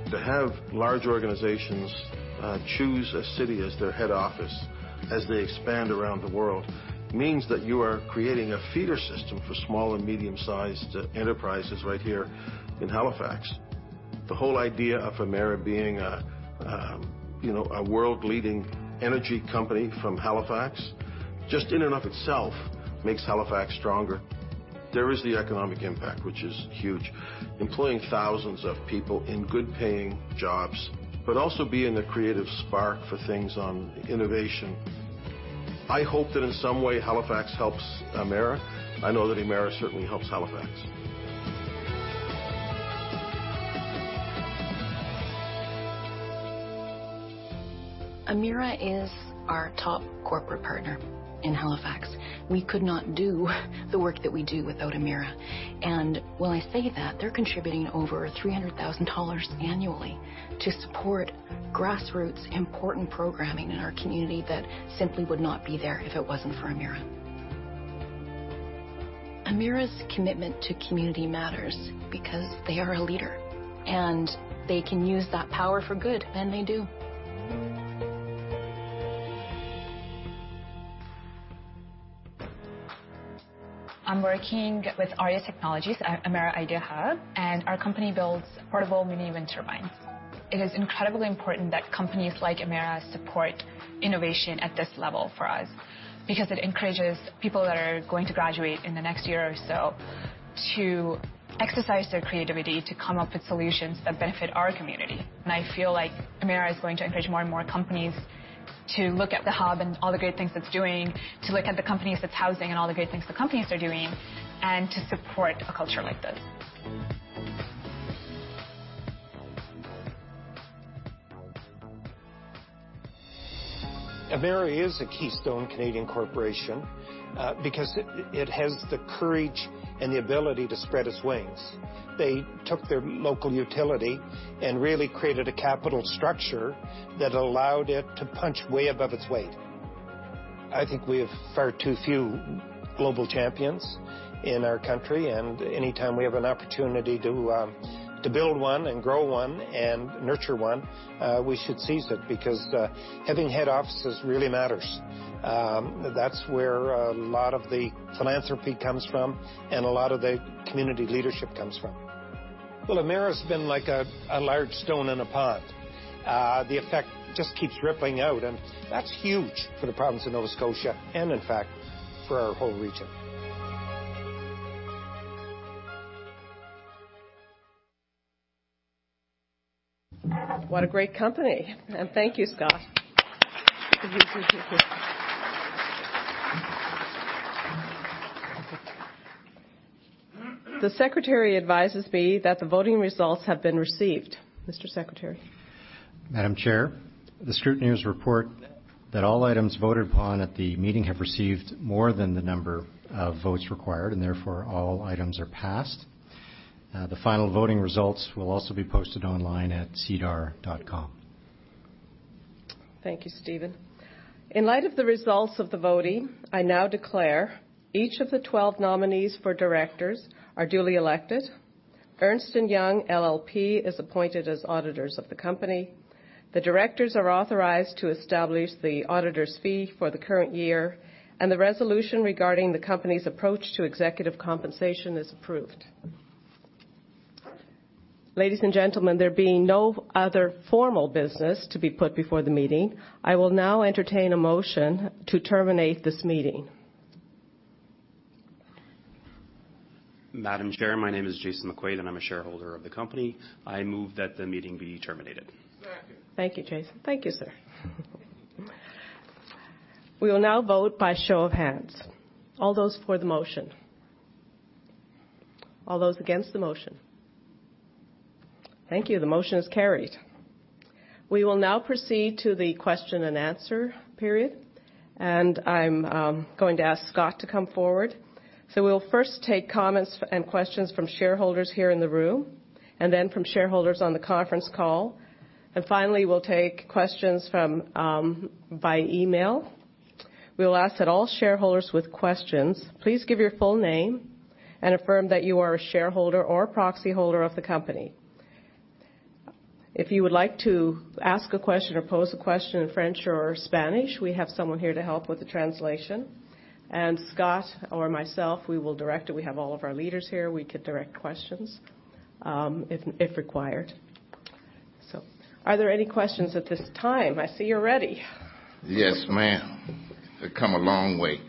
To have large organizations choose a city as their head office as they expand around the world means that you are creating a feeder system for small and medium-sized enterprises right here in Halifax. The whole idea of Emera being a world-leading energy company from Halifax, just in and of itself makes Halifax stronger. There is the economic impact, which is huge, employing thousands of people in good paying jobs, but also being the creative spark for things on innovation. I hope that in some way Halifax helps Emera. I know that Emera certainly helps Halifax. Emera is our top corporate partner in Halifax. We could not do the work that we do without Emera. When I say that, they're contributing over 300,000 dollars annually to support grassroots important programming in our community that simply would not be there if it wasn't for Emera. Emera's commitment to community matters because they are a leader, and they can use that power for good, and they do. I'm working with Aurea Technologies at Emera ideaHUB, our company builds portable mini wind turbines. It is incredibly important that companies like Emera support innovation at this level for us because it encourages people that are going to graduate in the next year or so to exercise their creativity to come up with solutions that benefit our community. I feel like Emera is going to encourage more and more companies to look at the hub and all the great things it's doing, to look at the companies it's housing and all the great things the companies are doing, and to support a culture like this. Emera is a keystone Canadian corporation, because it has the courage and the ability to spread its wings. They took their local utility and really created a capital structure that allowed it to punch way above its weight. I think we have far too few global champions in our country. Anytime we have an opportunity to build one and grow one and nurture one, we should seize it because having head offices really matters. That's where a lot of the philanthropy comes from and a lot of the community leadership comes from. Well, Emera's been like a large stone in a pond. The effect just keeps rippling out, that's huge for the province of Nova Scotia and, in fact, for our whole region. What a great company. Thank you, Scott. The secretary advises me that the voting results have been received. Mr. Secretary. Madam Chair, the scrutineers report that all items voted upon at the meeting have received more than the number of votes required, therefore, all items are passed. The final voting results will also be posted online at SEDAR+. Thank you, Stephen. In light of the results of the voting, I now declare each of the 12 nominees for directors are duly elected. Ernst & Young LLP is appointed as auditors of the company. The directors are authorized to establish the auditor's fee for the current year, and the resolution regarding the company's approach to executive compensation is approved. Ladies and gentlemen, there being no other formal business to be put before the meeting, I will now entertain a motion to terminate this meeting. Madam Chair, my name is Jason McQuaid, and I'm a shareholder of the company. I move that the meeting be terminated. Second. Thank you, Jason. Thank you, sir. We will now vote by show of hands. All those for the motion. All those against the motion. Thank you. The motion is carried. We will now proceed to the question and answer period, and I'm going to ask Scott to come forward. We'll first take comments and questions from shareholders here in the room, and then from shareholders on the conference call, and finally, we'll take questions by email. We will ask that all shareholders with questions, please give your full name and affirm that you are a shareholder or proxy holder of the company. If you would like to ask a question or pose a question in French or Spanish, we have someone here to help with the translation. Scott or myself, we will direct it. We have all of our leaders here. We could direct questions, if required. Are there any questions at this time? I see you're ready. Yes, ma'am. I've come a long way.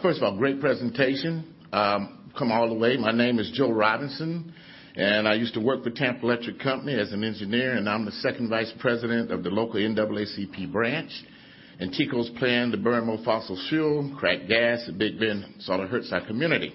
First of all, great presentation. Come all the way. My name is Joe Robinson, and I used to work for Tampa Electric Company as an engineer, and I'm the second vice president of the local NAACP branch. TECO's plan to burn more fossil fuel, crack gas at Big Bend hurts our community.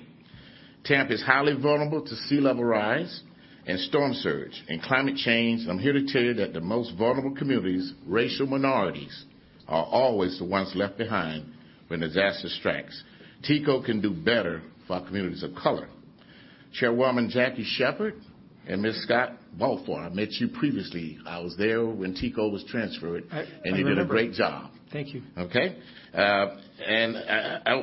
Tampa is highly vulnerable to sea level rise and storm surge and climate change. I'm here to tell you that the most vulnerable communities, racial minorities, are always the ones left behind when disaster strikes. TECO can do better for our communities of color. Chairwoman Jackie Sheppard and Mr. Scott Balfour, I met you previously. I was there when TECO was transferred- I remember You did a great job. Thank you. I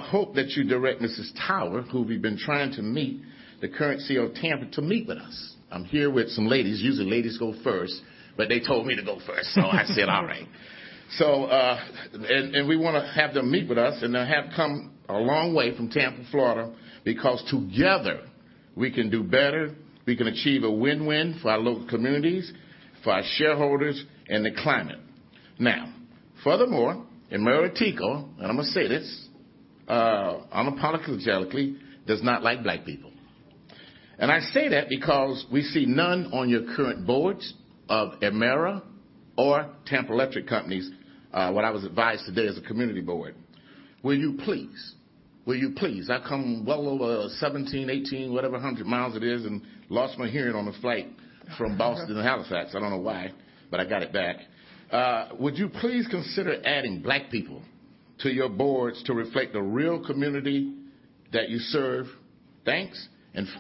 hope that you direct Mrs. Tower, who we've been trying to meet, the current CEO of Tampa, to meet with us. I'm here with some ladies. Usually, ladies go first, but they told me to go first. I said, "All right." We want to have them meet with us, and they have come a long way from Tampa, Florida, because together we can do better. We can achieve a win-win for our local communities, for our shareholders, and the climate. Furthermore, Emera TECO, and I'm going to say this unapologetically, does not like Black people. I say that because we see none on your current boards of Emera or Tampa Electric companies, what I was advised today is a community board. Will you please, I've come well over 17, 18, whatever hundred miles it is, and lost my hearing on the flight from Boston to Halifax. I don't know why, but I got it back. Would you please consider adding Black people to your boards to reflect the real community that you serve? Thanks.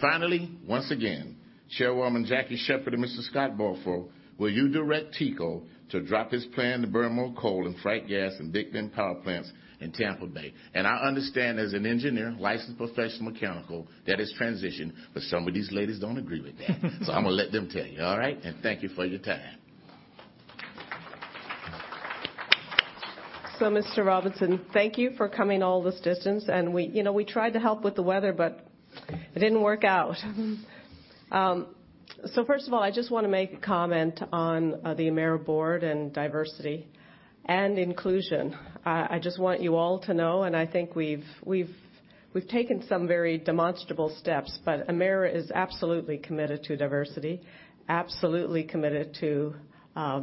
Finally, once again, Chairwoman Jackie Sheppard and Mr. Scott Balfour, will you direct TECO to drop his plan to burn more coal and frack gas in Big Bend power plants in Tampa Bay? I understand as an engineer, licensed professional mechanical, that is transition, but some of these ladies don't agree with that. I'm going to let them tell you, all right? Thank you for your time. Mr. Robinson, thank you for coming all this distance, and we tried to help with the weather, but it didn't work out. First of all, I just want to make a comment on the Emera board and diversity and inclusion. I just want you all to know, and I think we've taken some very demonstrable steps, but Emera is absolutely committed to diversity, absolutely committed to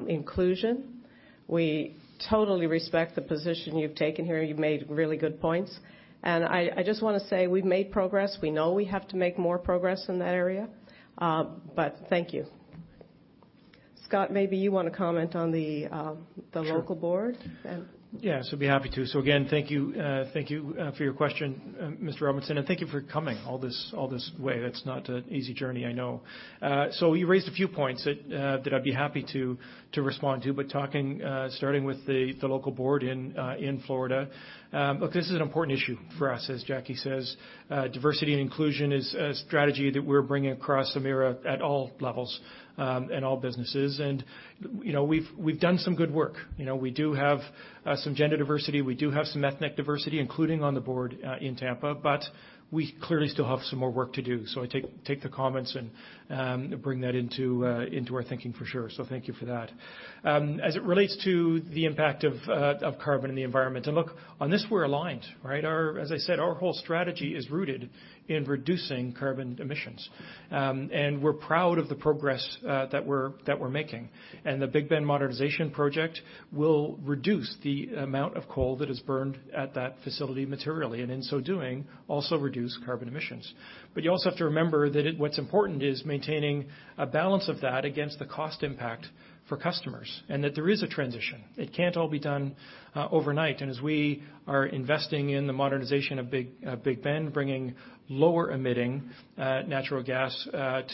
inclusion. We totally respect the position you've taken here. You've made really good points, and I just want to say we've made progress. We know we have to make more progress in that area. Thank you. Scott, maybe you want to comment on the local board? Sure. Yes, would be happy to. Again, thank you for your question, Mr. Robinson, and thank you for coming all this way. That's not an easy journey, I know. You raised a few points that I'd be happy to respond to. Starting with the local board in Florida. Look, this is an important issue for us, as Jackie Sheppard says. Diversity and inclusion is a strategy that we're bringing across Emera at all levels, in all businesses, and we've done some good work. We do have some gender diversity, we do have some ethnic diversity, including on the board in Tampa, but we clearly still have some more work to do. I take the comments and bring that into our thinking for sure. Thank you for that. As it relates to the impact of carbon in the environment, look, on this, we're aligned, right? As I said, our whole strategy is rooted in reducing carbon emissions. We're proud of the progress that we're making. The Big Bend Modernization Project will reduce the amount of coal that is burned at that facility materially, and in so doing, also reduce carbon emissions. You also have to remember that what's important is maintaining a balance of that against the cost impact for customers, and that there is a transition. It can't all be done overnight. As we are investing in the modernization of Big Bend, bringing lower emitting natural gas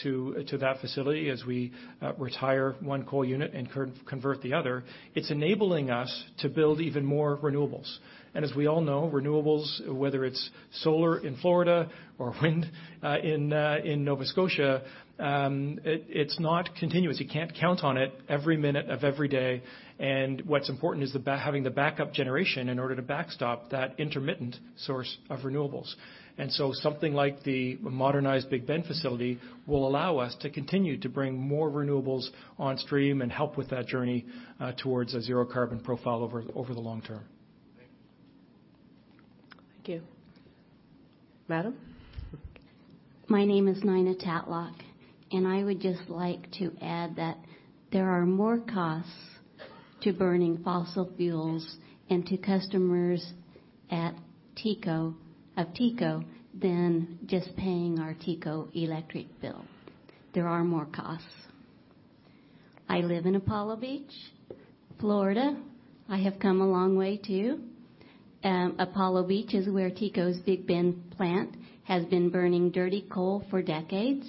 to that facility as we retire one coal unit and convert the other, it's enabling us to build even more renewables. As we all know, renewables, whether it's solar in Florida or wind in Nova Scotia, it's not continuous. You can't count on it every minute of every day, and what's important is having the backup generation in order to backstop that intermittent source of renewables. Something like the modernized Big Bend facility will allow us to continue to bring more renewables on stream and help with that journey towards a zero carbon profile over the long term. Thank you. Thank you. Madam? My name is Nina Tatlock, and I would just like to add that there are more costs to burning fossil fuels and to customers of TECO than just paying our TECO electric bill. There are more costs. I live in Apollo Beach, Florida. I have come a long way, too. Apollo Beach is where TECO's Big Bend plant has been burning dirty coal for decades.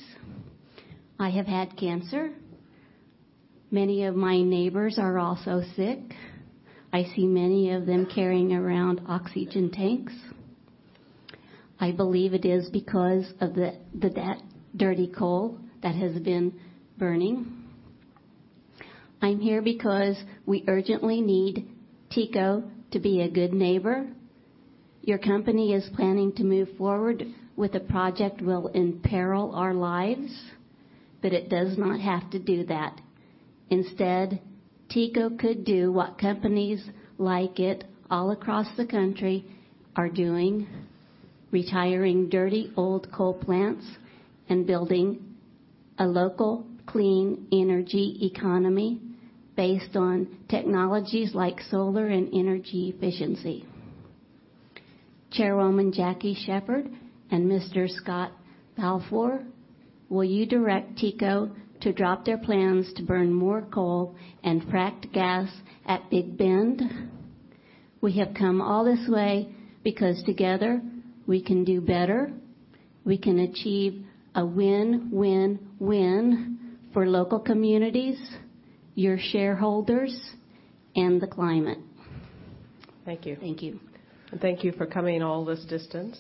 I have had cancer. Many of my neighbors are also sick. I see many of them carrying around oxygen tanks. I believe it is because of the dirty coal that has been burning. I am here because we urgently need TECO to be a good neighbor. Your company is planning to move forward with a project will imperil our lives, it does not have to do that. TECO could do what companies like it all across the country are doing, retiring dirty, old coal plants and building a local clean energy economy based on technologies like solar and energy efficiency. Chairwoman Jackie Sheppard and Mr. Scott Balfour, will you direct TECO to drop their plans to burn more coal and fracked gas at Big Bend? We have come all this way because together we can do better. We can achieve a win-win-win for local communities, your shareholders, and the climate. Thank you. Thank you. Thank you for coming all this distance.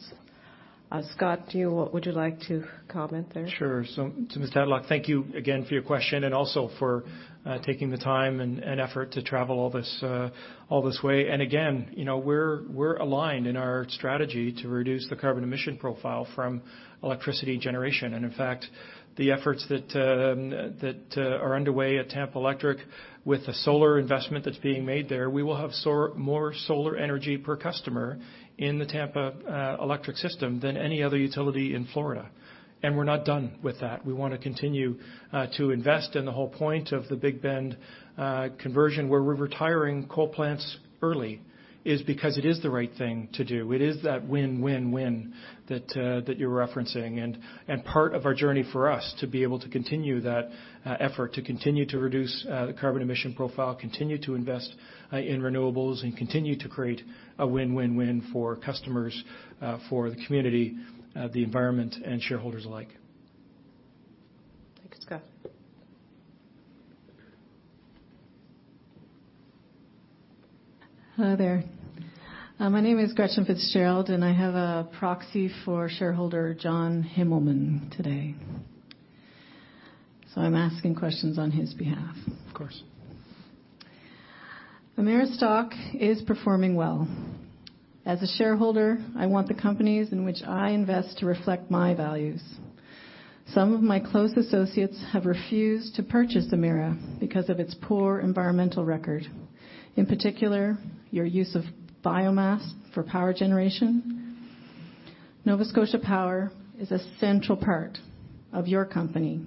Scott, would you like to comment there? Sure. To Ms. Tatlock, thank you again for your question and also for taking the time and effort to travel all this way. Again, we're aligned in our strategy to reduce the carbon emission profile from electricity generation. In fact, the efforts that are underway at Tampa Electric with the solar investment that's being made there, we will have more solar energy per customer in the Tampa Electric system than any other utility in Florida. We're not done with that. We want to continue to invest. The whole point of the Big Bend Conversion, where we're retiring coal plants early, is because it is the right thing to do. It is that win-win-win that you're referencing. Part of our journey for us, to be able to continue that effort, to continue to reduce the carbon emission profile, continue to invest in renewables, and continue to create a win-win-win for customers, for the community, the environment, and shareholders alike. Thank you, Scott. Hello there. My name is Gretchen Fitzgerald. I have a proxy for shareholder John Himelmann today. I'm asking questions on his behalf. Of course. Emera's stock is performing well. As a shareholder, I want the companies in which I invest to reflect my values. Some of my close associates have refused to purchase Emera because of its poor environmental record, in particular, your use of biomass for power generation. Nova Scotia Power is a central part of your company,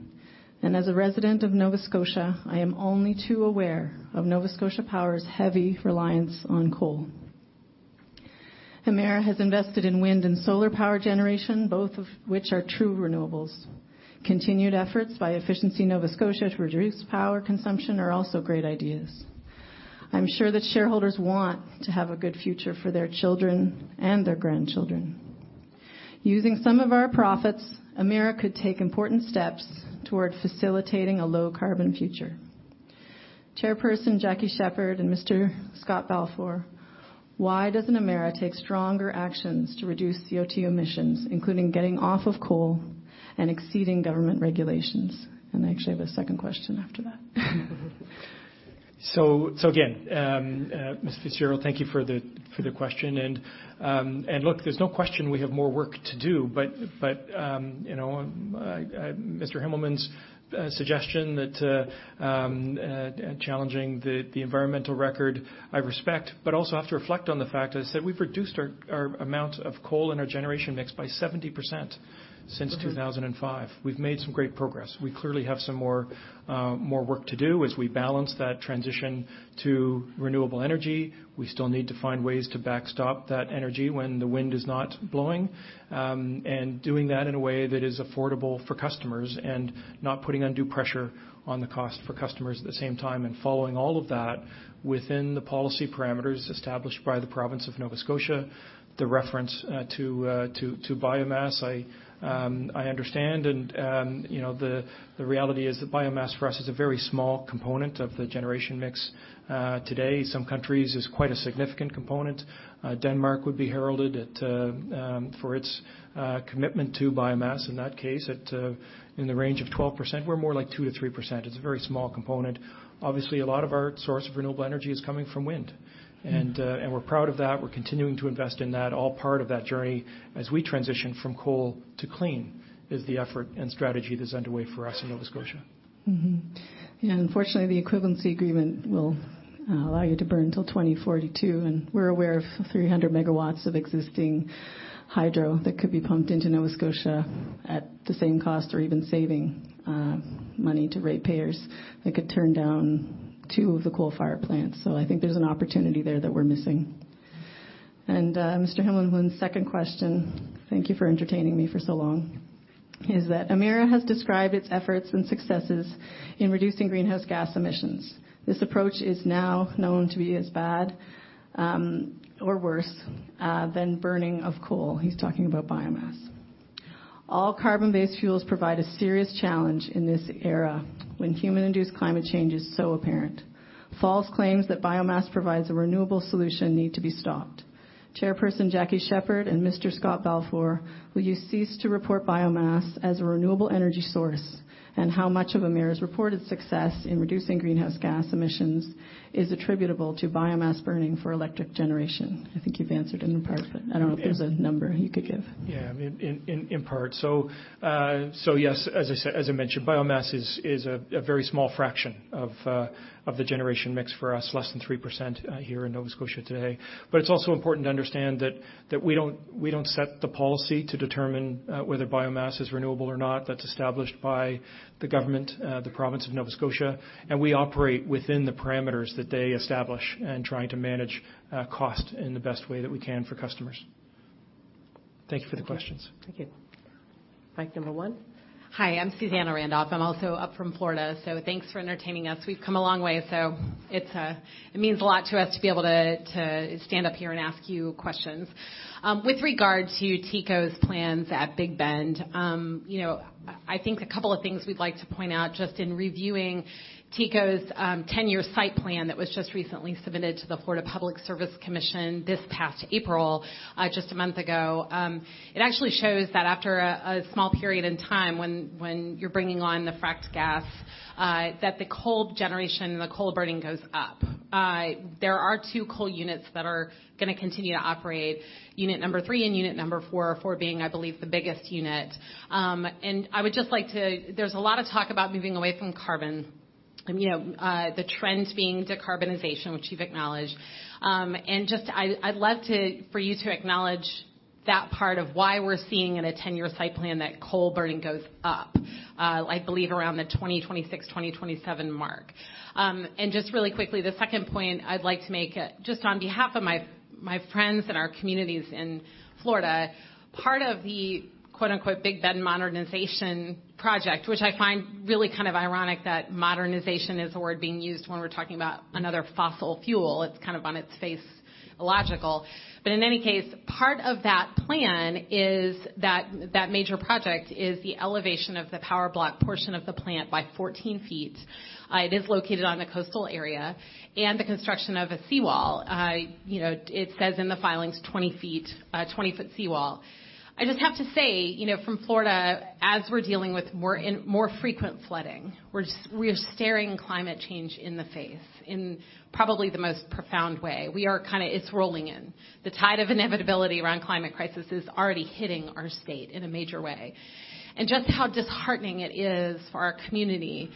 and as a resident of Nova Scotia, I am only too aware of Nova Scotia Power's heavy reliance on coal. Emera has invested in wind and solar power generation, both of which are true renewables. Continued efforts by Efficiency Nova Scotia to reduce power consumption are also great ideas. I'm sure that shareholders want to have a good future for their children and their grandchildren. Using some of our profits, Emera could take important steps toward facilitating a low-carbon future. Chairperson Jackie Sheppard and Mr. Scott Balfour, why doesn't Emera take stronger actions to reduce CO2 emissions, including getting off of coal and exceeding government regulations? I actually have a second question after that. Again, Ms. Fitzgerald, thank you for the question. Look, there's no question we have more work to do. Mr. Himelmann's suggestion challenging the environmental record, I respect, but also have to reflect on the fact, as I said, we've reduced our amount of coal in our generation mix by 70% since 2005. We've made some great progress. We clearly have some more work to do as we balance that transition to renewable energy. We still need to find ways to backstop that energy when the wind is not blowing, and doing that in a way that is affordable for customers and not putting undue pressure on the cost for customers at the same time, and following all of that within the policy parameters established by the province of Nova Scotia. The reference to biomass, I understand. The reality is that biomass for us is a very small component of the generation mix today. Some countries, it's quite a significant component. Denmark would be heralded for its commitment to biomass, in that case at in the range of 12%. We're more like 2% to 3%. It's a very small component. Obviously, a lot of our source of renewable energy is coming from wind. We're proud of that. We're continuing to invest in that, all part of that journey as we transition from coal to clean, is the effort and strategy that's underway for us in Nova Scotia. Yeah, unfortunately, the equivalency agreement will allow you to burn till 2042, and we're aware of 300 megawatts of existing hydro that could be pumped into Nova Scotia at the same cost or even saving money to ratepayers that could turn down two of the coal fire plants. I think there's an opportunity there that we're missing. Mr. Himelmann's second question, thank you for entertaining me for so long, is that Emera has described its efforts and successes in reducing greenhouse gas emissions. This approach is now known to be as bad or worse than burning of coal. He's talking about biomass. All carbon-based fuels provide a serious challenge in this era when human-induced climate change is so apparent. False claims that biomass provides a renewable solution need to be stopped. Chairperson Jackie Sheppard and Mr. Scott Balfour, will you cease to report biomass as a renewable energy source, and how much of Emera's reported success in reducing greenhouse gas emissions is attributable to biomass burning for electric generation? I think you've answered in part, but I don't know if there's a number you could give. Yeah, in part. Yes, as I mentioned, biomass is a very small fraction of the generation mix for us, less than 3% here in Nova Scotia today. It's also important to understand that we don't set the policy to determine whether biomass is renewable or not. That's established by the government, the province of Nova Scotia, and we operate within the parameters that they establish and trying to manage cost in the best way that we can for customers. Thank you for the questions. Thank you. Mic number one. Hi, I'm Susannah Randolph. I'm also up from Florida, thanks for entertaining us. We've come a long way, it means a lot to us to be able to stand up here and ask you questions. With regard to TECO's plans at Big Bend, I think a couple of things we'd like to point out, just in reviewing TECO's 10-year site plan that was just recently submitted to the Florida Public Service Commission this past April, just a month ago. It actually shows that after a small period in time, when you're bringing on the fracked gas, that the coal generation, the coal burning goes up. There are two coal units that are going to continue to operate, unit number 3 and unit number 4. Four being, I believe, the biggest unit. There's a lot of talk about moving away from carbon, the trends being decarbonization, which you've acknowledged. I'd love for you to acknowledge that part of why we're seeing in a 10-year site plan that coal burning goes up, I believe around the 2026, 2027 mark. Just really quickly, the second point I'd like to make, just on behalf of my friends and our communities in Florida, part of the Big Bend Modernization Project, which I find really kind of ironic that modernization is a word being used when we're talking about another fossil fuel. It's kind of on its face illogical. In any case, part of that plan is that that major project is the elevation of the power block portion of the plant by 14 feet. It is located on a coastal area, and the construction of a seawall. It says in the filings 20-foot seawall. I just have to say, from Florida, as we're dealing with more frequent flooding, we are staring climate change in the face in probably the most profound way. It's rolling in. The tide of inevitability around climate crisis is already hitting our state in a major way, and just how disheartening it is for our community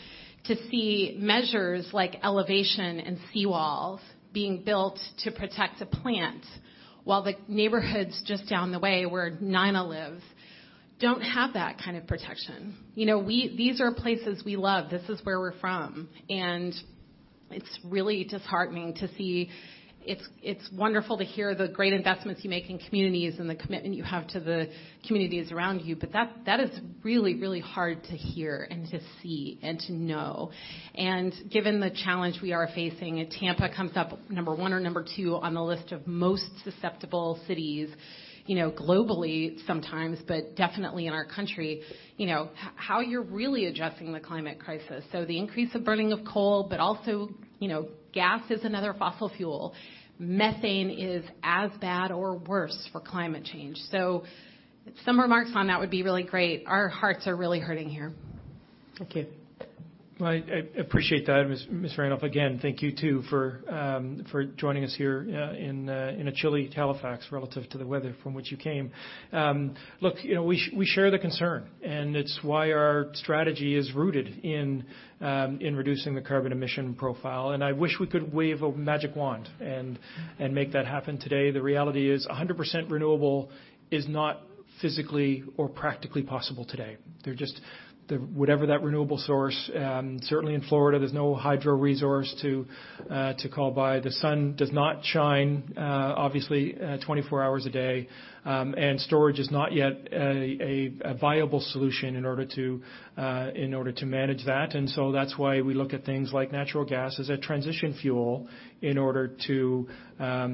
to see measures like elevation and seawalls being built to protect a plant, while the neighborhoods just down the way where Nina lives don't have that kind of protection. These are places we love. This is where we're from, and it's really disheartening to see. It's wonderful to hear the great investments you make in communities and the commitment you have to the communities around you, but that is really, really hard to hear and to see and to know. Given the challenge we are facing, Tampa comes up number one or number two on the list of most susceptible cities globally sometimes, but definitely in our country. How you're really addressing the climate crisis. The increase of burning of coal, but also gas is another fossil fuel. Methane is as bad or worse for climate change. Some remarks on that would be really great. Our hearts are really hurting here. Thank you. Well, I appreciate that, Ms. Randolph. Again, thank you too for joining us here in a chilly Halifax relative to the weather from which you came. Look, we share the concern, and it's why our strategy is rooted in reducing the carbon emission profile, and I wish we could wave a magic wand and make that happen today. The reality is 100% renewable is not physically or practically possible today. Whatever that renewable source, certainly in Florida, there's no hydro resource to call by. The sun does not shine, obviously, 24 hours a day. Storage is not yet a viable solution in order to manage that. That's why we look at things like natural gas as a transition fuel in order to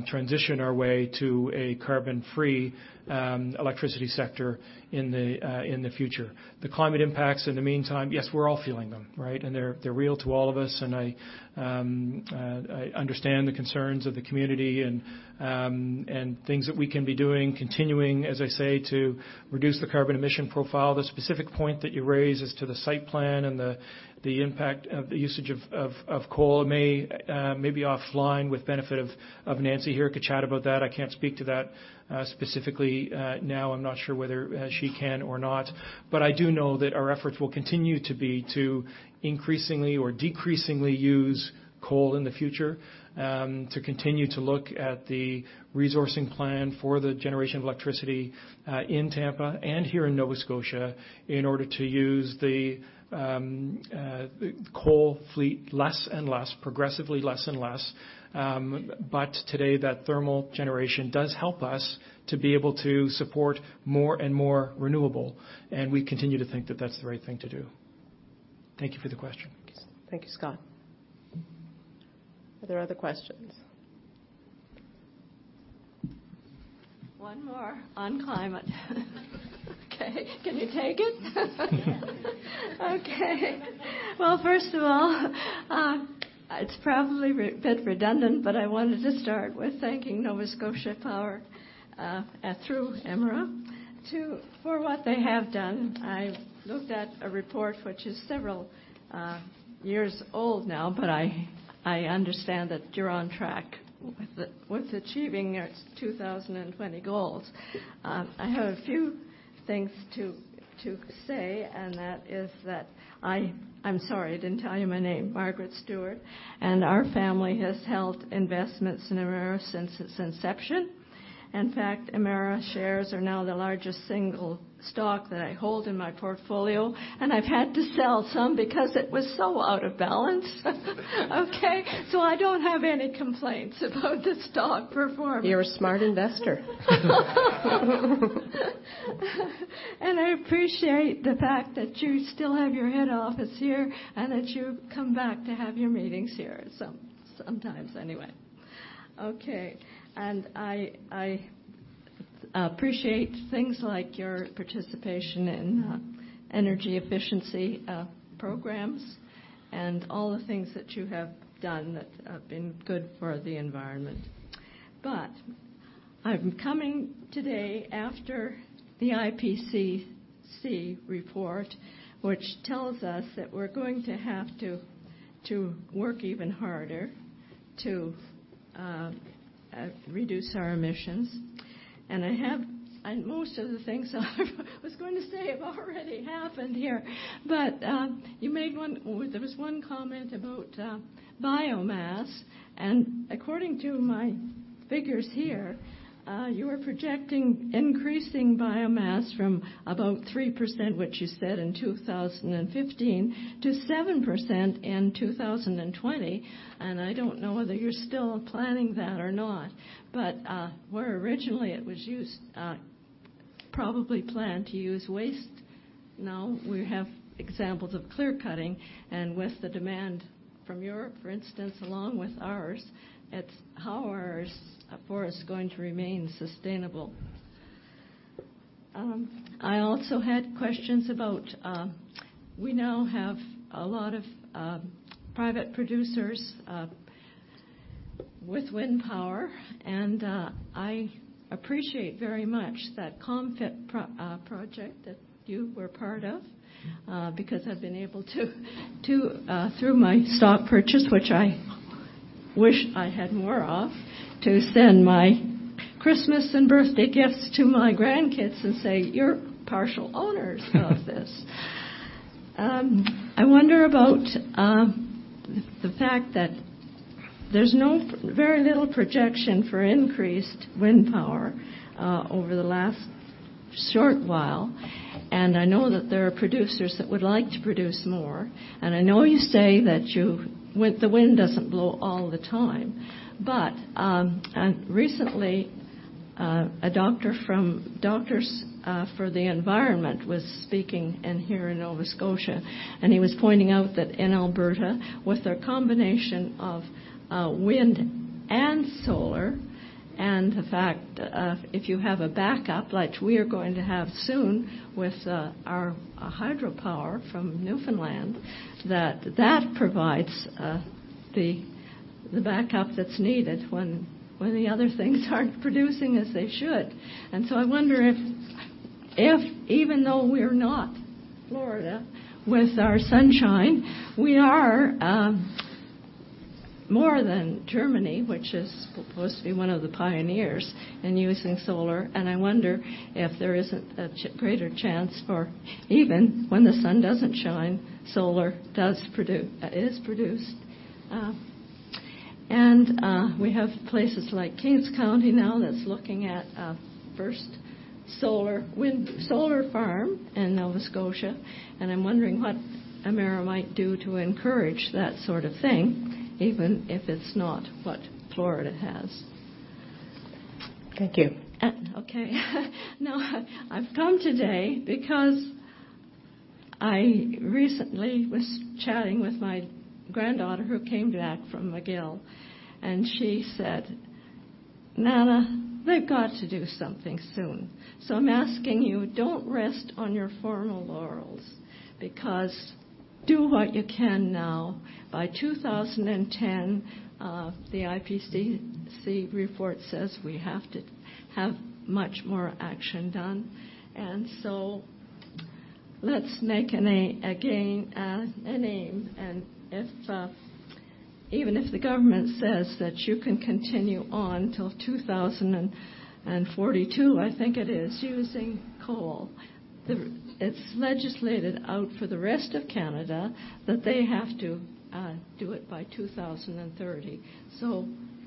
transition our way to a carbon-free electricity sector in the future. The climate impacts, in the meantime, yes, we're all feeling them. Right? They're real to all of us, and I understand the concerns of the community and things that we can be doing, continuing, as I say, to reduce the carbon emission profile. The specific point that you raise as to the site plan and the impact of the usage of coal may be offline with benefit of Nancy here could chat about that. I can't speak to that specifically now. I'm not sure whether she can or not. I do know that our efforts will continue to be to increasingly or decreasingly use coal in the future, to continue to look at the resourcing plan for the generation of electricity in Tampa and here in Nova Scotia in order to use the coal fleet less and less, progressively less and less. Today, that thermal generation does help us to be able to support more and more renewable, and we continue to think that that's the right thing to do. Thank you for the question. Thank you, Scott. Are there other questions? One more on climate. Okay, can you take it? Yeah. First of all, it's probably a bit redundant, I wanted to start with thanking Nova Scotia Power through Emera for what they have done. I looked at a report, which is several years old now, I understand that you're on track with achieving its 2020 goals. I have a few things to say. That is that I'm sorry, I didn't tell you my name, Margaret Stewart, and our family has held investments in Emera since its inception. In fact, Emera shares are now the largest single stock that I hold in my portfolio, and I've had to sell some because it was so out of balance. I don't have any complaints about the stock performance. You're a smart investor. I appreciate the fact that you still have your head office here, and that you come back to have your meetings here sometimes anyway. I appreciate things like your participation in energy efficiency programs, and all the things that you have done that have been good for the environment. I'm coming today after the IPCC report, which tells us that we're going to have to work even harder to reduce our emissions. Most of the things I was going to say have already happened here. There was one comment about biomass, and according to my figures here, you are projecting increasing biomass from about 3%, which you said in 2015, to 7% in 2020. I don't know whether you're still planning that or not, but where originally it was probably planned to use waste, now we have examples of clear-cutting. With the demand from Europe, for instance, along with ours, how is our forest going to remain sustainable? I also had questions about, we now have a lot of private producers with wind power. I appreciate very much that COMFIT project that you were part of, because I've been able to, through my stock purchase, which I wish I had more of, to send my Christmas and birthday gifts to my grandkids and say, "You're partial owners of this." I wonder about the fact that there's very little projection for increased wind power over the last short while. I know that there are producers that would like to produce more. I know you say that the wind doesn't blow all the time, but recently, a doctor from Canadian Association of Physicians for the Environment was speaking here in Nova Scotia. He was pointing out that in Alberta, with a combination of wind and solar, and the fact if you have a backup like we are going to have soon with our hydropower from Newfoundland, that provides the backup that's needed when the other things aren't producing as they should. I wonder if, even though we're not Florida with our sunshine, we are more than Germany, which is supposed to be one of the pioneers in using solar. I wonder if there isn't a greater chance for even when the sun doesn't shine, solar is produced. We have places like Kings County now that's looking at a first solar farm in Nova Scotia. I'm wondering what Emera might do to encourage that sort of thing, even if it's not what Florida has. Thank you. Okay. Now, I've come today because I recently was chatting with my granddaughter who came back from McGill, and she said, "Nana, they've got to do something soon." I'm asking you, don't rest on your formal laurels because do what you can now. By 2010, the IPCC report says we have to have much more action done. Let's make an aim, even if the government says that you can continue on till 2042, I think it is, using coal. It's legislated out for the rest of Canada that they have to do it by 2030.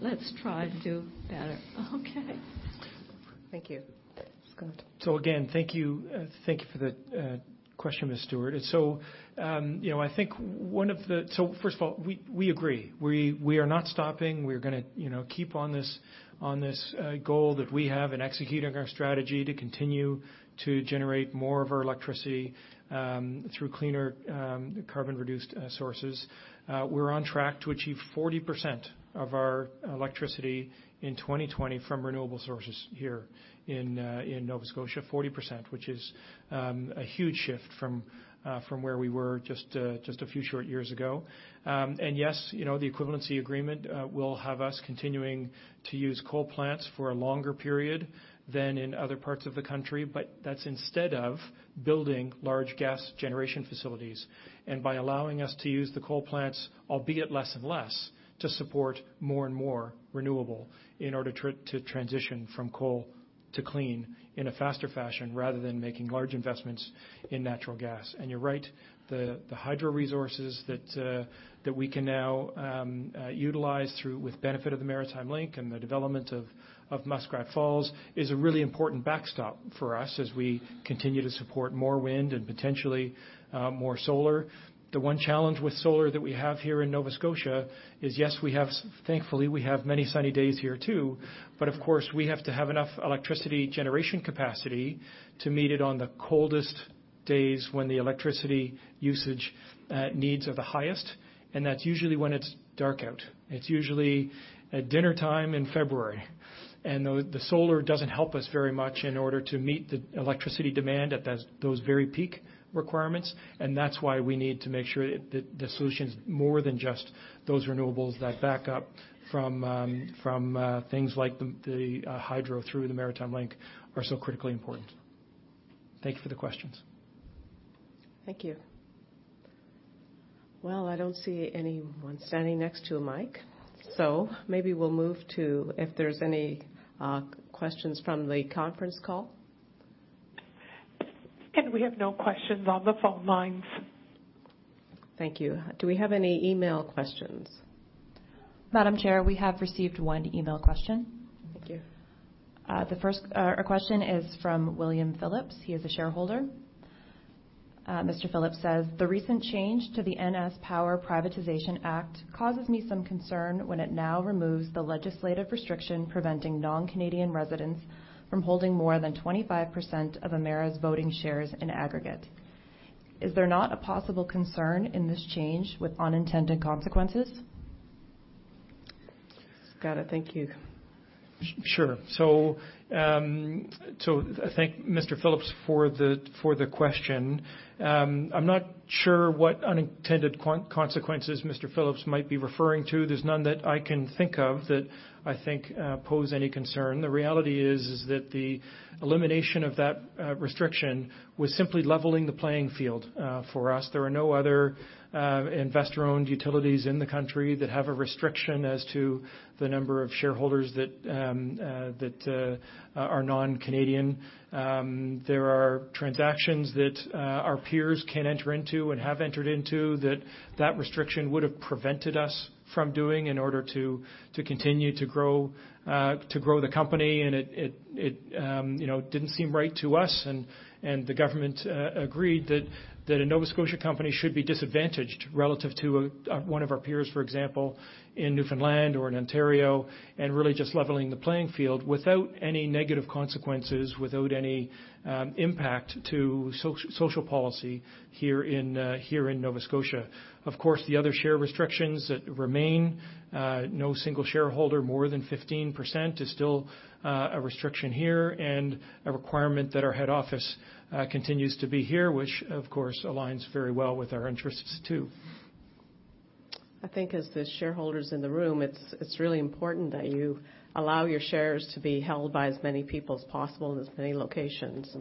Let's try to do better. Okay. Thank you. Scott. Again, thank you for the question, Ms. Stewart. First of all, we agree. We are not stopping. We're going to keep on this goal that we have and executing our strategy to continue to generate more of our electricity through cleaner, carbon-reduced sources. We're on track to achieve 40% of our electricity in 2020 from renewable sources here in Nova Scotia, 40%, which is a huge shift from where we were just a few short years ago. Yes, the equivalency agreement will have us continuing to use coal plants for a longer period than in other parts of the country, but that's instead of building large gas generation facilities. By allowing us to use the coal plants, albeit less and less, to support more and more renewable in order to transition from coal to clean in a faster fashion rather than making large investments in natural gas. You're right, the hydro resources that we can now utilize with benefit of the Maritime Link and the development of Muskrat Falls is a really important backstop for us as we continue to support more wind and potentially more solar. The one challenge with solar that we have here in Nova Scotia is, yes, thankfully, we have many sunny days here too, but of course, we have to have enough electricity generation capacity to meet it on the coldest days when the electricity usage needs are the highest, and that's usually when it's dark out. It's usually at dinner time in February. The solar doesn't help us very much in order to meet the electricity demand at those very peak requirements. That's why we need to make sure that the solution's more than just those renewables that back up from things like the hydro through the Maritime Link are so critically important. Thank you for the questions. Thank you. Well, I don't see anyone standing next to a mic, so maybe we'll move to if there's any questions from the conference call. We have no questions on the phone lines. Thank you. Do we have any email questions? Madam Chair, we have received one email question. Thank you. The first question is from William Phillips. He is a shareholder. Mr. Phillips says, "The recent change to the NS Power Privatization Act causes me some concern when it now removes the legislative restriction preventing non-Canadian residents from holding more than 25% of Emera's voting shares in aggregate. Is there not a possible concern in this change with unintended consequences? Scott, thank you. Sure. I thank Mr. Phillips for the question. I'm not sure what unintended consequences Mr. Phillips might be referring to. There's none that I can think of that I think pose any concern. The reality is that the elimination of that restriction was simply leveling the playing field for us. There are no other investor-owned utilities in the country that have a restriction as to the number of shareholders that are non-Canadian. There are transactions that our peers can enter into and have entered into that that restriction would've prevented us from doing in order to continue to grow the company. It didn't seem right to us, and the government agreed that a Nova Scotia company should be disadvantaged relative to one of our peers, for example, in Newfoundland or in Ontario, and really just leveling the playing field without any negative consequences, without any impact to social policy here in Nova Scotia. Of course, the other share restrictions remain. No single shareholder, more than 15% is still a restriction here and a requirement that our head office continues to be here, which of course, aligns very well with our interests, too. I think as the shareholders in the room, it's really important that you allow your shares to be held by as many people as possible in as many locations.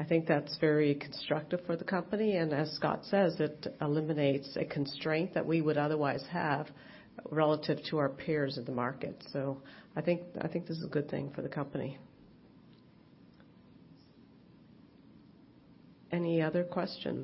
I think that's very constructive for the company. As Scott says, it eliminates a constraint that we would otherwise have relative to our peers in the market. I think this is a good thing for the company. Any other questions?